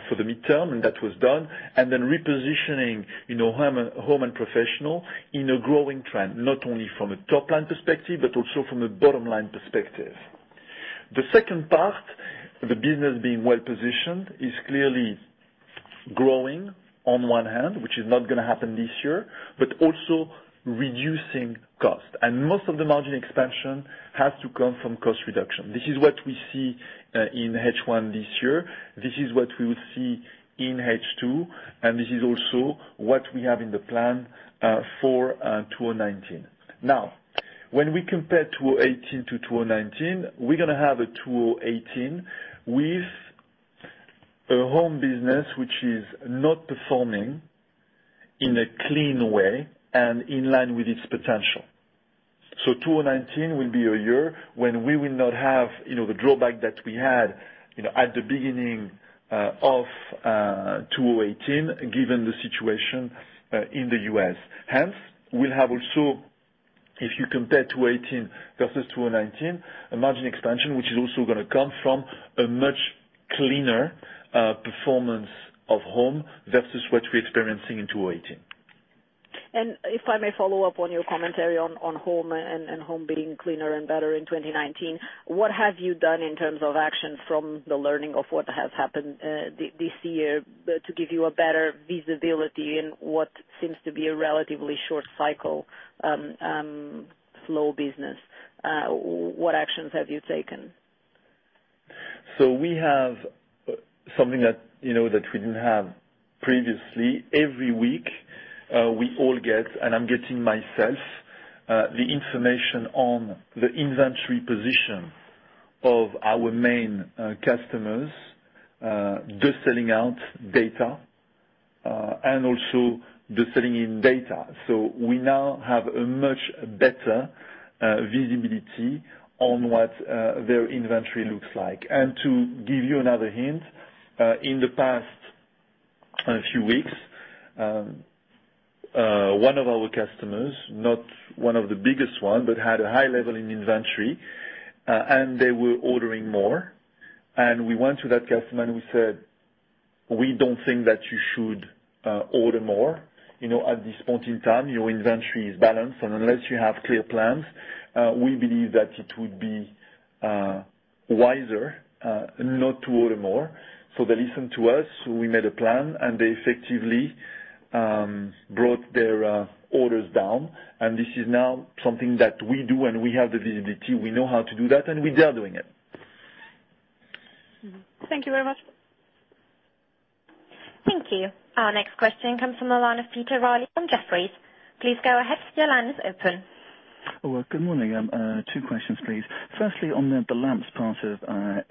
for the midterm, and that was done. Then repositioning Home and Professional in a growing trend, not only from a top-line perspective, but also from a bottom-line perspective. The second part, the business being well-positioned, is clearly growing on one hand, which is not going to happen this year, but also reducing cost. Most of the margin expansion has to come from cost reduction. This is what we see in H1 this year. This is what we will see in H2, and this is also what we have in the plan for 2019. Now, when we compare 2018 to 2019, we're going to have a 2018 with- A Home business which is not performing in a clean way and in line with its potential. 2019 will be a year when we will not have the drawback that we had at the beginning of 2018, given the situation in the U.S. Hence, we'll have also, if you compare 2018 versus 2019, a margin expansion, which is also going to come from a much cleaner performance of Home versus what we're experiencing in 2018. If I may follow up on your commentary on Home and Home being cleaner and better in 2019, what have you done in terms of action from the learning of what has happened this year to give you a better visibility in what seems to be a relatively short cycle, slow business? What actions have you taken? We have something that we didn't have previously. Every week, we all get, and I'm getting myself, the information on the inventory position of our main customers, the selling out data, and also the selling in data. We now have a much better visibility on what their inventory looks like. To give you another hint, in the past few weeks, one of our customers, not one of the biggest ones, but had a high level in inventory, and they were ordering more. We went to that customer and we said, "We don't think that you should order more. At this point in time, your inventory is balanced, and unless you have clear plans, we believe that it would be wiser not to order more." They listened to us. We made a plan, and they effectively brought their orders down. This is now something that we do, and we have the visibility. We know how to do that, and we are doing it. Thank you very much. Thank you. Our next question comes from the line of Peter Reilly on Jefferies. Please go ahead, your line is open. Good morning. Two questions, please. Firstly, on the lamps part of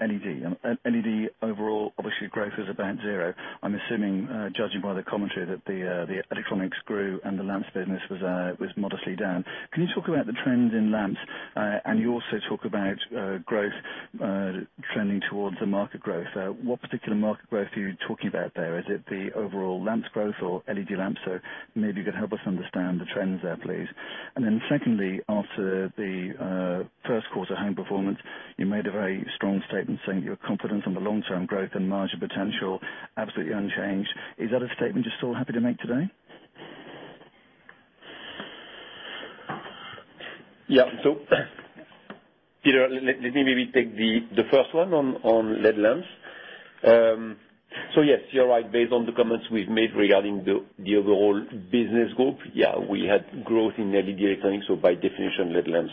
LED. LED overall, obviously growth is about zero. I'm assuming, judging by the commentary, that the electronics grew and the lamps business was modestly down. Can you talk about the trends in lamps? You also talk about growth trending towards the market growth. What particular market growth are you talking about there? Is it the overall lamps growth or LED lamps? Maybe you could help us understand the trends there, please. Secondly, after the first quarter Home performance, you made a very strong statement saying you're confident on the long-term growth and margin potential, absolutely unchanged. Is that a statement you're still happy to make today? Peter, let me maybe take the first one on LED lamps. Yes, you're right. Based on the comments we've made regarding the overall business group. We had growth in LED electronics, so by definition, LED lamps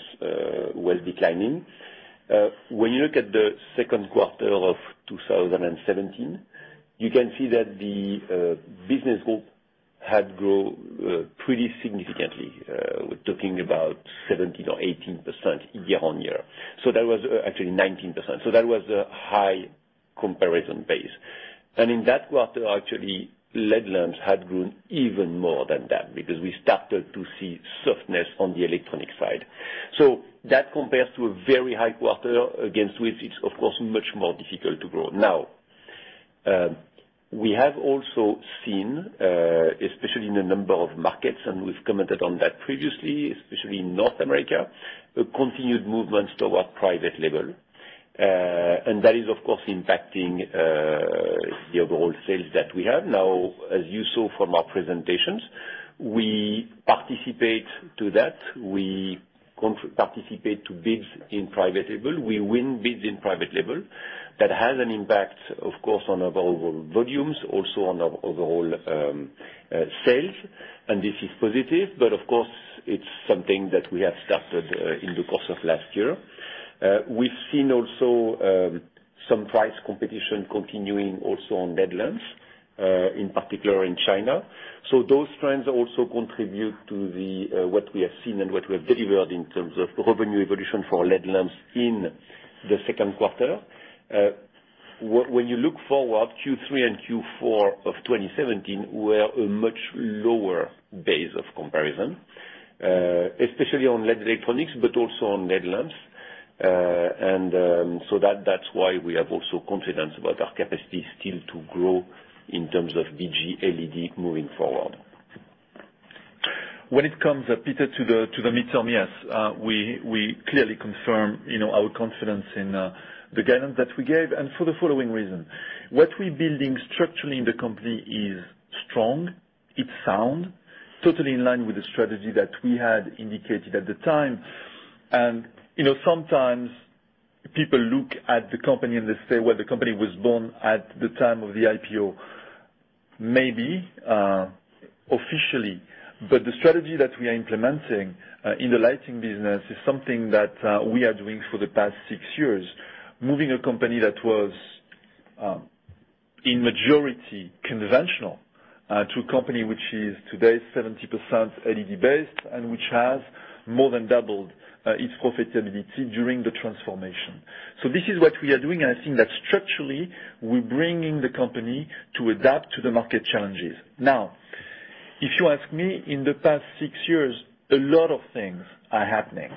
were declining. When you look at the second quarter of 2017, you can see that the business group had grown pretty significantly. We're talking about 17% or 18% year-over-year. Actually, 19%. That was a high comparison base. In that quarter, actually, LED lamps had grown even more than that because we started to see softness on the electronic side. That compares to a very high quarter against which it's of course much more difficult to grow. We have also seen, especially in a number of markets, and we've commented on that previously, especially in North America, a continued movement toward private label. That is, of course, impacting the overall sales that we have. As you saw from our presentations, we participate to that. We participate to bids in private label. We win bids in private label. That has an impact, of course, on our overall volumes, also on our overall sales, and this is positive, but of course, it's something that we have started in the course of last year. We've seen also some price competition continuing also on LED lamps, in particular in China. Those trends also contribute to what we have seen and what we have delivered in terms of revenue evolution for our LED lamps in the second quarter. When you look forward, Q3 and Q4 of 2017 were a much lower base of comparison, especially on LED electronics, but also on LED lamps. That's why we have also confidence about our capacity still to grow in terms of BG LED moving forward. When it comes, Peter, to the midterm, yes. We clearly confirm our confidence in the guidance that we gave and for the following reason. What we're building structurally in the company is strong, it's sound, totally in line with the strategy that we had indicated at the time. Sometimes people look at the company and they say, "Well, the company was born at the time of the IPO." Maybe officially, the strategy that we are implementing in the lighting business is something that we are doing for the past six years. Moving a company that was in majority conventional To a company which is today 70% LED based and which has more than doubled its profitability during the transformation. This is what we are doing, and I think that structurally, we're bringing the company to adapt to the market challenges. If you ask me, in the past six years, a lot of things are happening.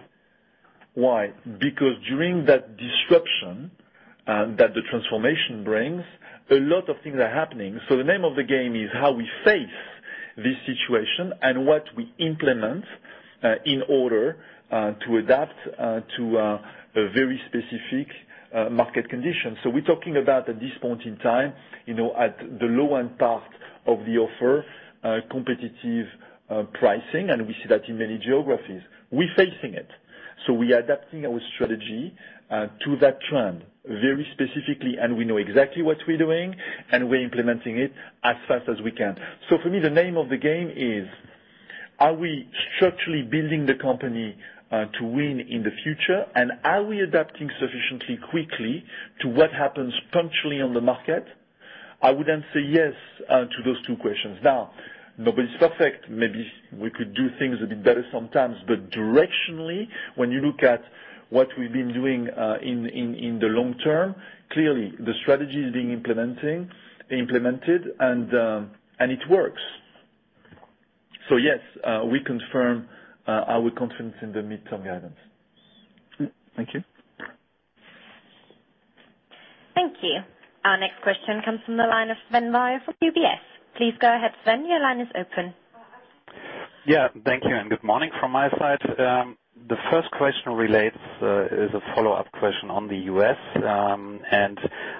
Why? Because during that disruption that the transformation brings, a lot of things are happening. The name of the game is how we face this situation and what we implement in order to adapt to a very specific market condition. We're talking about, at this point in time, at the low-end part of the offer, competitive pricing, and we see that in many geographies. We're facing it. We are adapting our strategy to that trend very specifically, and we know exactly what we're doing, and we're implementing it as fast as we can. For me, the name of the game is, are we structurally building the company to win in the future? Are we adapting sufficiently quickly to what happens punctually on the market? I would answer yes to those two questions. Nobody's perfect. Maybe we could do things a bit better sometimes, but directionally, when you look at what we've been doing in the long term, clearly the strategy is being implemented, and it works. Yes, we confirm our confidence in the midterm guidance. Thank you. Thank you. Our next question comes from the line of Sven Weier from UBS. Please go ahead, Sven, your line is open. Thank you, and good morning from my side. The first question is a follow-up question on the U.S.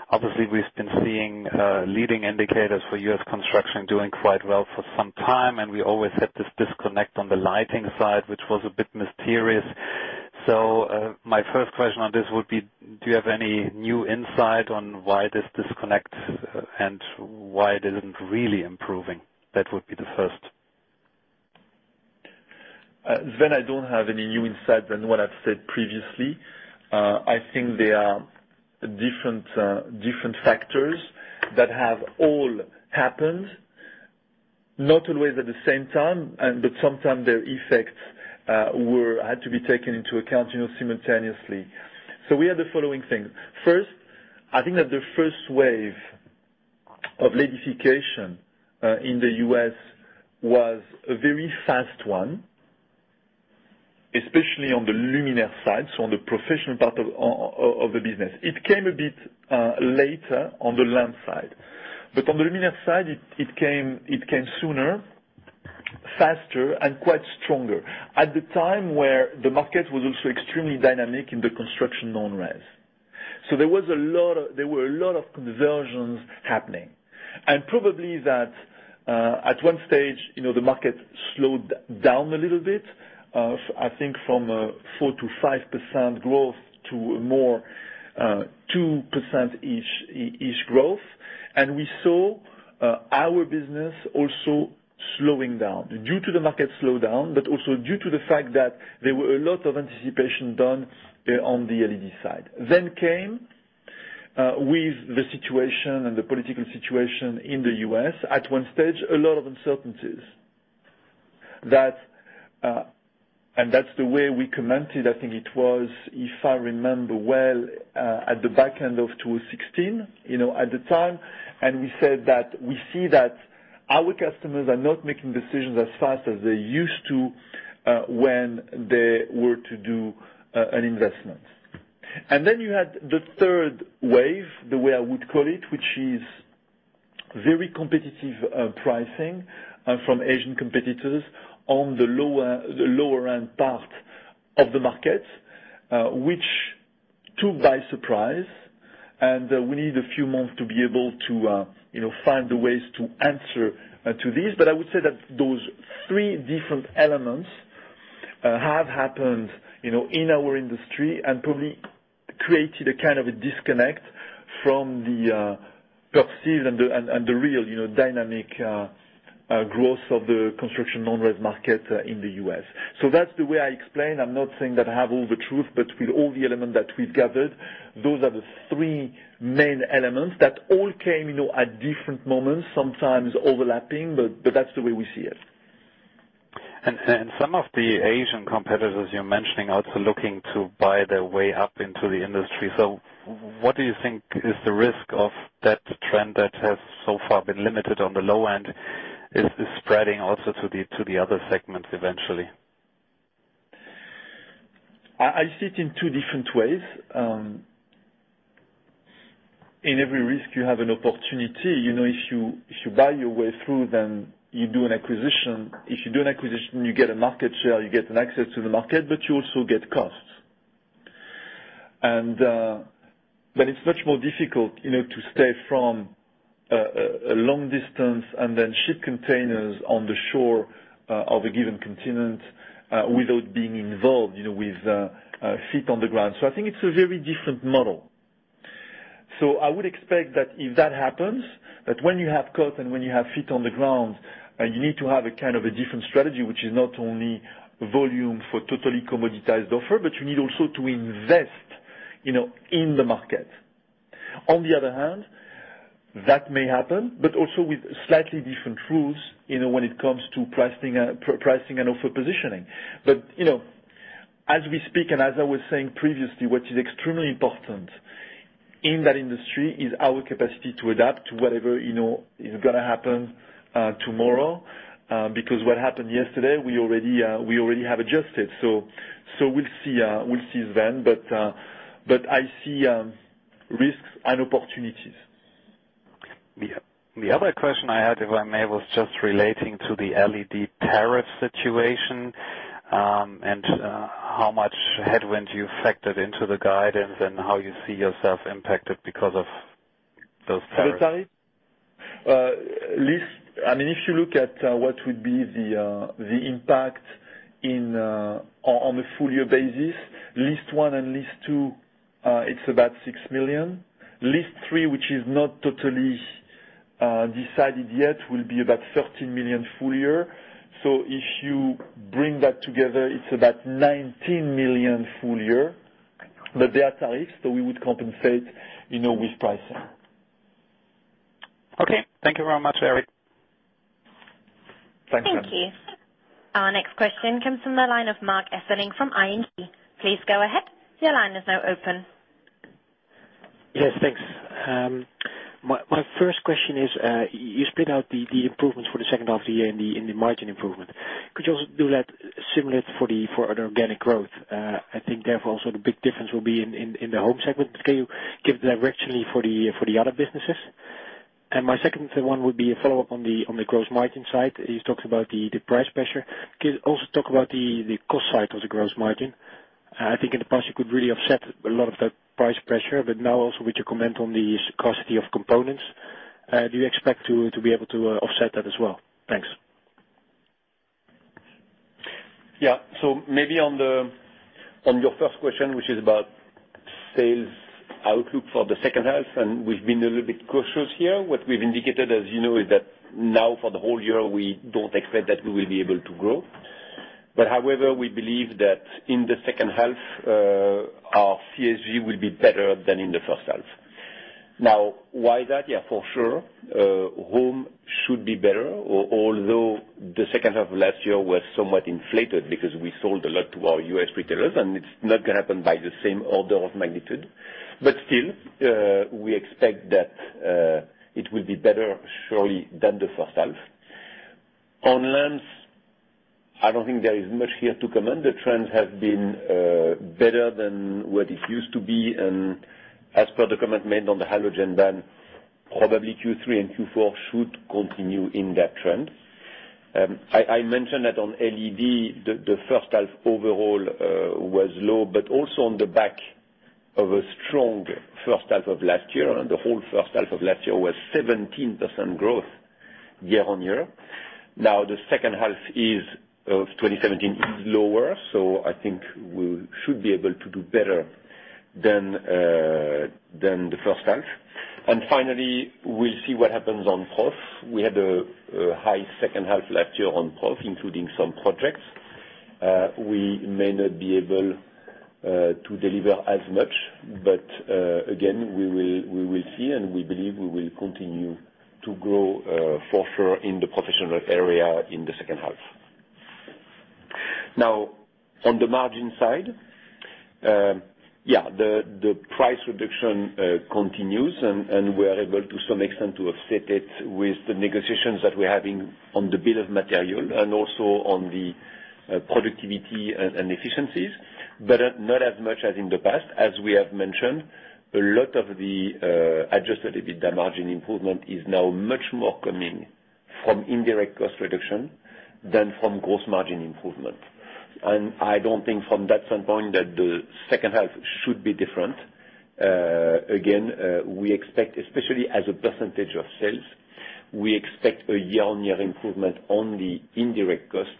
Obviously, we've been seeing leading indicators for U.S. construction doing quite well for some time, and we always had this disconnect on the lighting side, which was a bit mysterious. My first question on this would be, do you have any new insight on why this disconnect and why it isn't really improving? That would be the first. Sven, I don't have any new insight than what I've said previously. There are different factors that have all happened, not always at the same time, but sometimes their effects had to be taken into account simultaneously. We had the following things. First, that the first wave of LEDification, in the U.S. was a very fast one, especially on the luminaire side, on the Professional part of the business. It came a bit later on the lamp side. On the luminaire side, it came sooner, faster, and quite stronger at the time where the market was also extremely dynamic in the construction non-res. There were a lot of conversions happening. Probably that at one stage, the market slowed down a little bit, from a 4%-5% growth to a more 2% each growth. We saw our business also slowing down due to the market slowdown, but also due to the fact that there were a lot of anticipation done on the LED side. Came with the situation and the political situation in the U.S., at one stage, a lot of uncertainties. That's the way we commented. It was, if I remember well, at the back end of 2016, at the time, and we said that we see that our customers are not making decisions as fast as they used to when they were to do an investment. You had the third wave, the way I would call it, which is very competitive pricing from Asian competitors on the lower-end part of the market, which took by surprise, and we need a few months to be able to find the ways to answer to this. I would say that those three different elements have happened in our industry and probably created a kind of a disconnect from the perceived and the real dynamic growth of the construction non-res market in the U.S. That's the way I explain. I'm not saying that I have all the truth, but with all the elements that we've gathered, those are the three main elements that all came at different moments, sometimes overlapping, but that's the way we see it. Some of the Asian competitors you're mentioning are also looking to buy their way up into the industry. What do you think is the risk of that trend that has so far been limited on the low end, is spreading also to the other segments eventually? I see it in two different ways. In every risk, you have an opportunity. If you buy your way through, then you do an acquisition. If you do an acquisition, you get a market share, you get an access to the market, but you also get costs. It's much more difficult to stay from a long distance and then ship containers on the shore of a given continent without being involved with feet on the ground. I think it's a very different model. I would expect that if that happens, that when you have cost and when you have feet on the ground, you need to have a kind of a different strategy, which is not only volume for totally commoditized offer, but you need also to invest In the market. On the other hand, that may happen, but also with slightly different rules when it comes to pricing and offer positioning. As we speak and as I was saying previously, what is extremely important in that industry is our capacity to adapt to whatever is going to happen tomorrow. What happened yesterday, we already have adjusted. We'll see then. I see risks and opportunities. The other question I had, if I may, was just relating to the LED tariff situation, and how much headwind you factored into the guidance and how you see yourself impacted because of those tariffs. The tariff? If you look at what would be the impact on a full year basis, list one and list two, it's about 6 million. List three, which is not totally decided yet, will be about 13 million full year. If you bring that together, it's about 19 million full year. They are tariffs, so we would compensate with pricing. Thank you very much, Eric. Thanks. Thank you. Our next question comes from the line of Marc Hesselink from ING. Please go ahead. Your line is now open. Thanks. My first question is, you split out the improvements for the second half of the year in the margin improvement. Could you also do that similar for the organic growth? I think therefore also the big difference will be in the Home segment. Can you give directionally for the other businesses? My second one would be a follow-up on the gross margin side. You talked about the price pressure. Could you also talk about the cost side of the gross margin? I think in the past you could really offset a lot of that price pressure, but now also with your comment on the scarcity of components, do you expect to be able to offset that as well? Thanks. Maybe on your first question, which is about sales outlook for the second half, we've been a little bit cautious here. What we've indicated, as you know, is that for the whole year, we don't expect that we will be able to grow. However, we believe that in the second half, our CSG will be better than in the first half. Why is that? For sure. Home should be better, although the second half of last year was somewhat inflated because we sold a lot to our U.S. retailers, it's not going to happen by the same order of magnitude. Still, we expect that it will be better, surely, than the first half. On lamps, I don't think there is much here to comment. The trends have been better than what it used to be, as per the comment made on the halogen ban, probably Q3 and Q4 should continue in that trend. I mentioned that on LED, the first half overall was low, also on the back of a strong first half of last year, the whole first half of last year was 17% growth year-on-year. The second half of 2017 is lower, I think we should be able to do better than the first half. Finally, we'll see what happens on Prof. We had a high second half last year on Prof, including some projects. We may not be able to deliver as much, again, we will see, we believe we will continue to grow for sure in the Professional area in the second half. On the margin side. The price reduction continues, we are able to some extent to offset it with the negotiations that we're having on the bill of material also on the productivity and efficiencies, not as much as in the past. As we have mentioned, a lot of the Adjusted EBITA margin improvement is now much more coming from indirect cost reduction than from gross margin improvement. I don't think from that standpoint that the second half should be different. Again, we expect, especially as a percentage of sales, we expect a year-on-year improvement on the indirect cost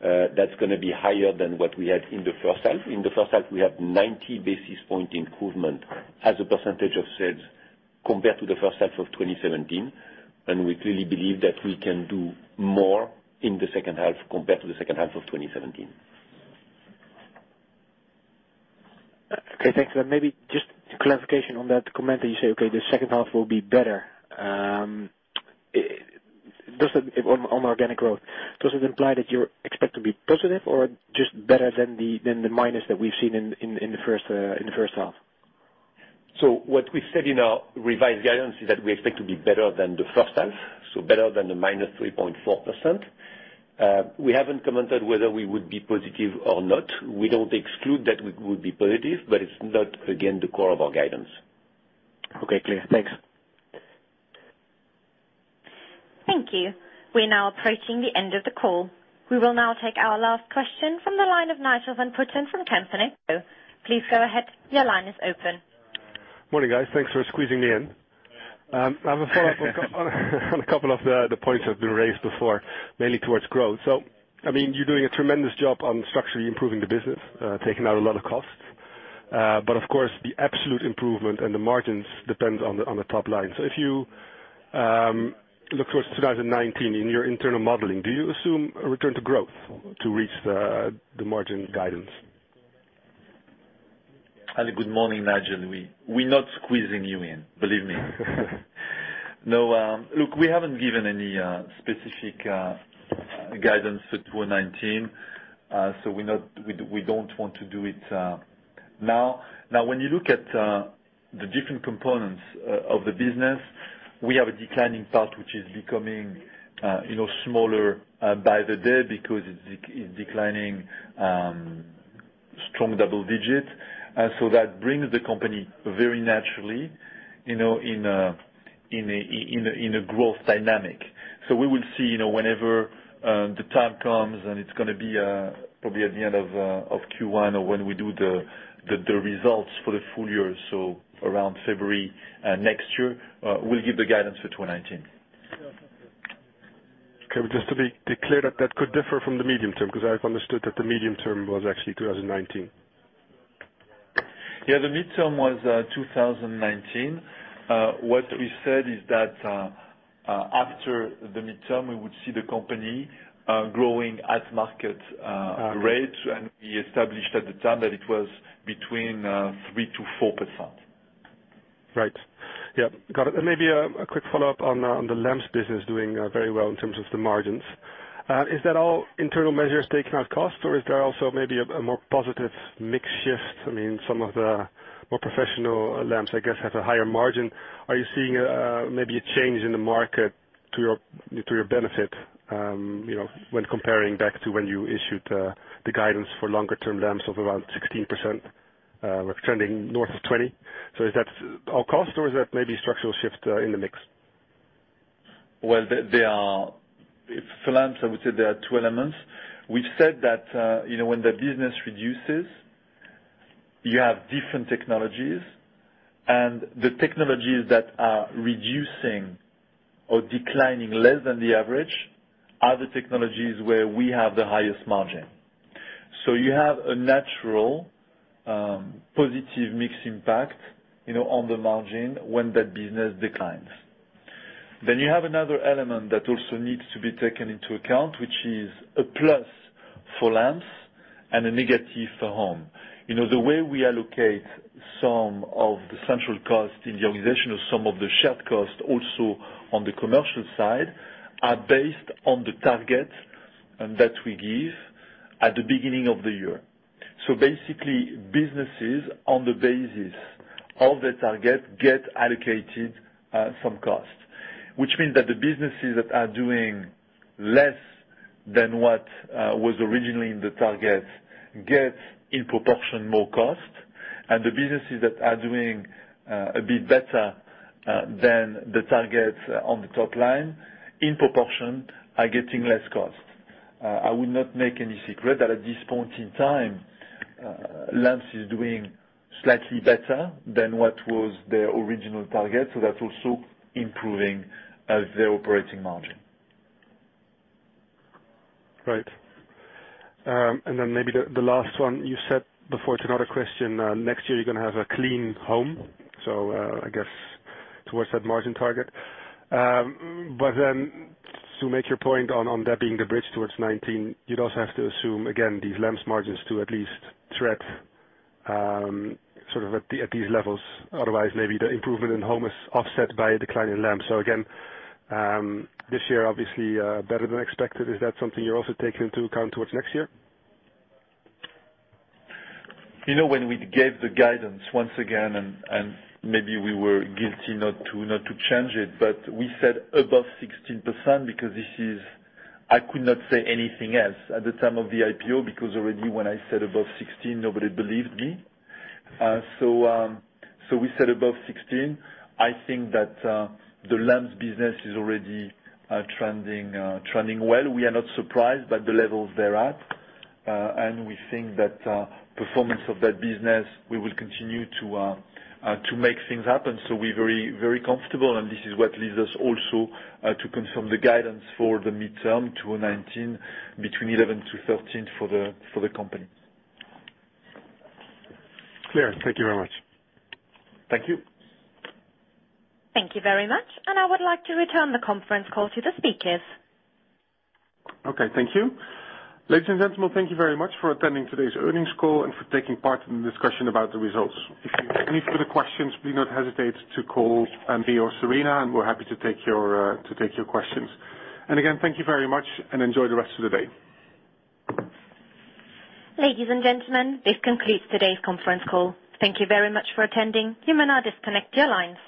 that's going to be higher than what we had in the first half. In the first half, we have 90 basis point improvement as a percentage of sales compared to the first half of 2017, we clearly believe that we can do more in the second half compared to the second half of 2017. Okay, thanks. Maybe just clarification on that comment that you say, okay, the second half will be better. On organic growth, does it imply that you expect to be positive or just better than the minus that we've seen in the first half? What we said in our revised guidance is that we expect to be better than the first half, so better than the -3.4%. We haven't commented whether we would be positive or not. We don't exclude that we would be positive, but it's not, again, the core of our guidance. Okay, clear. Thanks. Thank you. We are now approaching the end of the call. We will now take our last question from the line of Nigel van Poppelen from Kempen & Co. Please go ahead, your line is open. Morning, guys. Thanks for squeezing me in. I have a follow-up on a couple of the points that have been raised before, mainly towards growth. You're doing a tremendous job on structurally improving the business, taking out a lot of costs. Of course, the absolute improvement and the margins depend on the top line. If you look towards 2019 in your internal modeling, do you assume a return to growth to reach the margin guidance? Good morning, Nigel. We're not squeezing you in, believe me. Look, we haven't given any specific guidance for 2019. We don't want to do it now. When you look at the different components of the business, we have a declining part, which is becoming smaller by the day because it's declining strong double digits. That brings the company very naturally in a growth dynamic. We will see whenever the time comes, and it's going to be probably at the end of Q1 or when we do the results for the full year, so around February next year, we'll give the guidance for 2019. Okay. Just to be clear, that could differ from the medium term, because I've understood that the medium term was actually 2019. Yeah, the midterm was 2019. What we said is that after the midterm, we would see the company growing at market rates, and we established at the time that it was between 3%-4%. Right. Yeah. Got it. Maybe a quick follow-up on the lamps business doing very well in terms of the margins. Is that all internal measures taking out cost, or is there also maybe a more positive mix shift? Some of the more Professional lamps, I guess, have a higher margin. Are you seeing maybe a change in the market to your benefit when comparing back to when you issued the guidance for longer term lamps of around 16%, trending north of 20%? Is that all cost or is that maybe structural shift in the mix? Well, for lamps, I would say there are two elements. We've said that when the business reduces, you have different technologies. The technologies that are reducing or declining less than the average are the technologies where we have the highest margin. You have a natural positive mix impact on the margin when that business declines. You have another element that also needs to be taken into account, which is a plus for lamps and a negative for Home. The way we allocate some of the central cost in the organization or some of the shared cost also on the commercial side, are based on the target that we give at the beginning of the year. Basically, businesses on the basis of the target get allocated some cost. Which means that the businesses that are doing less than what was originally in the target get, in proportion, more cost. The businesses that are doing a bit better than the target on the top line, in proportion, are getting less cost. I would not make any secret that at this point in time, lamps is doing slightly better than what was the original target. That's also improving as the operating margin. Right. Maybe the last one. You said before to another question, next year you're going to have a clean Home. I guess towards that margin target. To make your point on that being the bridge towards 2019, you'd also have to assume, again, these lamps margins to at least tread sort of at these levels. Otherwise, maybe the improvement in Home is offset by a decline in lamps. Again, this year, obviously, better than expected. Is that something you're also taking into account towards next year? When we gave the guidance once again, and maybe we were guilty not to change it, but we said above 16% because I could not say anything else at the time of the IPO, because already when I said above 16%, nobody believed me. We said above 16%. I think that the lamps business is already trending well. We are not surprised by the levels they're at. We think that performance of that business, we will continue to make things happen. We're very comfortable, and this is what leads us also to confirm the guidance for the midterm 2019 between 11%-13% for the company. Clear. Thank you very much. Thank you. Thank you very much. I would like to return the conference call to the speakers. Okay, thank you. Ladies and gentlemen, thank you very much for attending today's earnings call and for taking part in the discussion about the results. If you have any further questions, please do not hesitate to call me or Serena, and we're happy to take your questions. Again, thank you very much, and enjoy the rest of the day. Ladies and gentlemen, this concludes today's conference call. Thank you very much for attending. You may now disconnect your lines.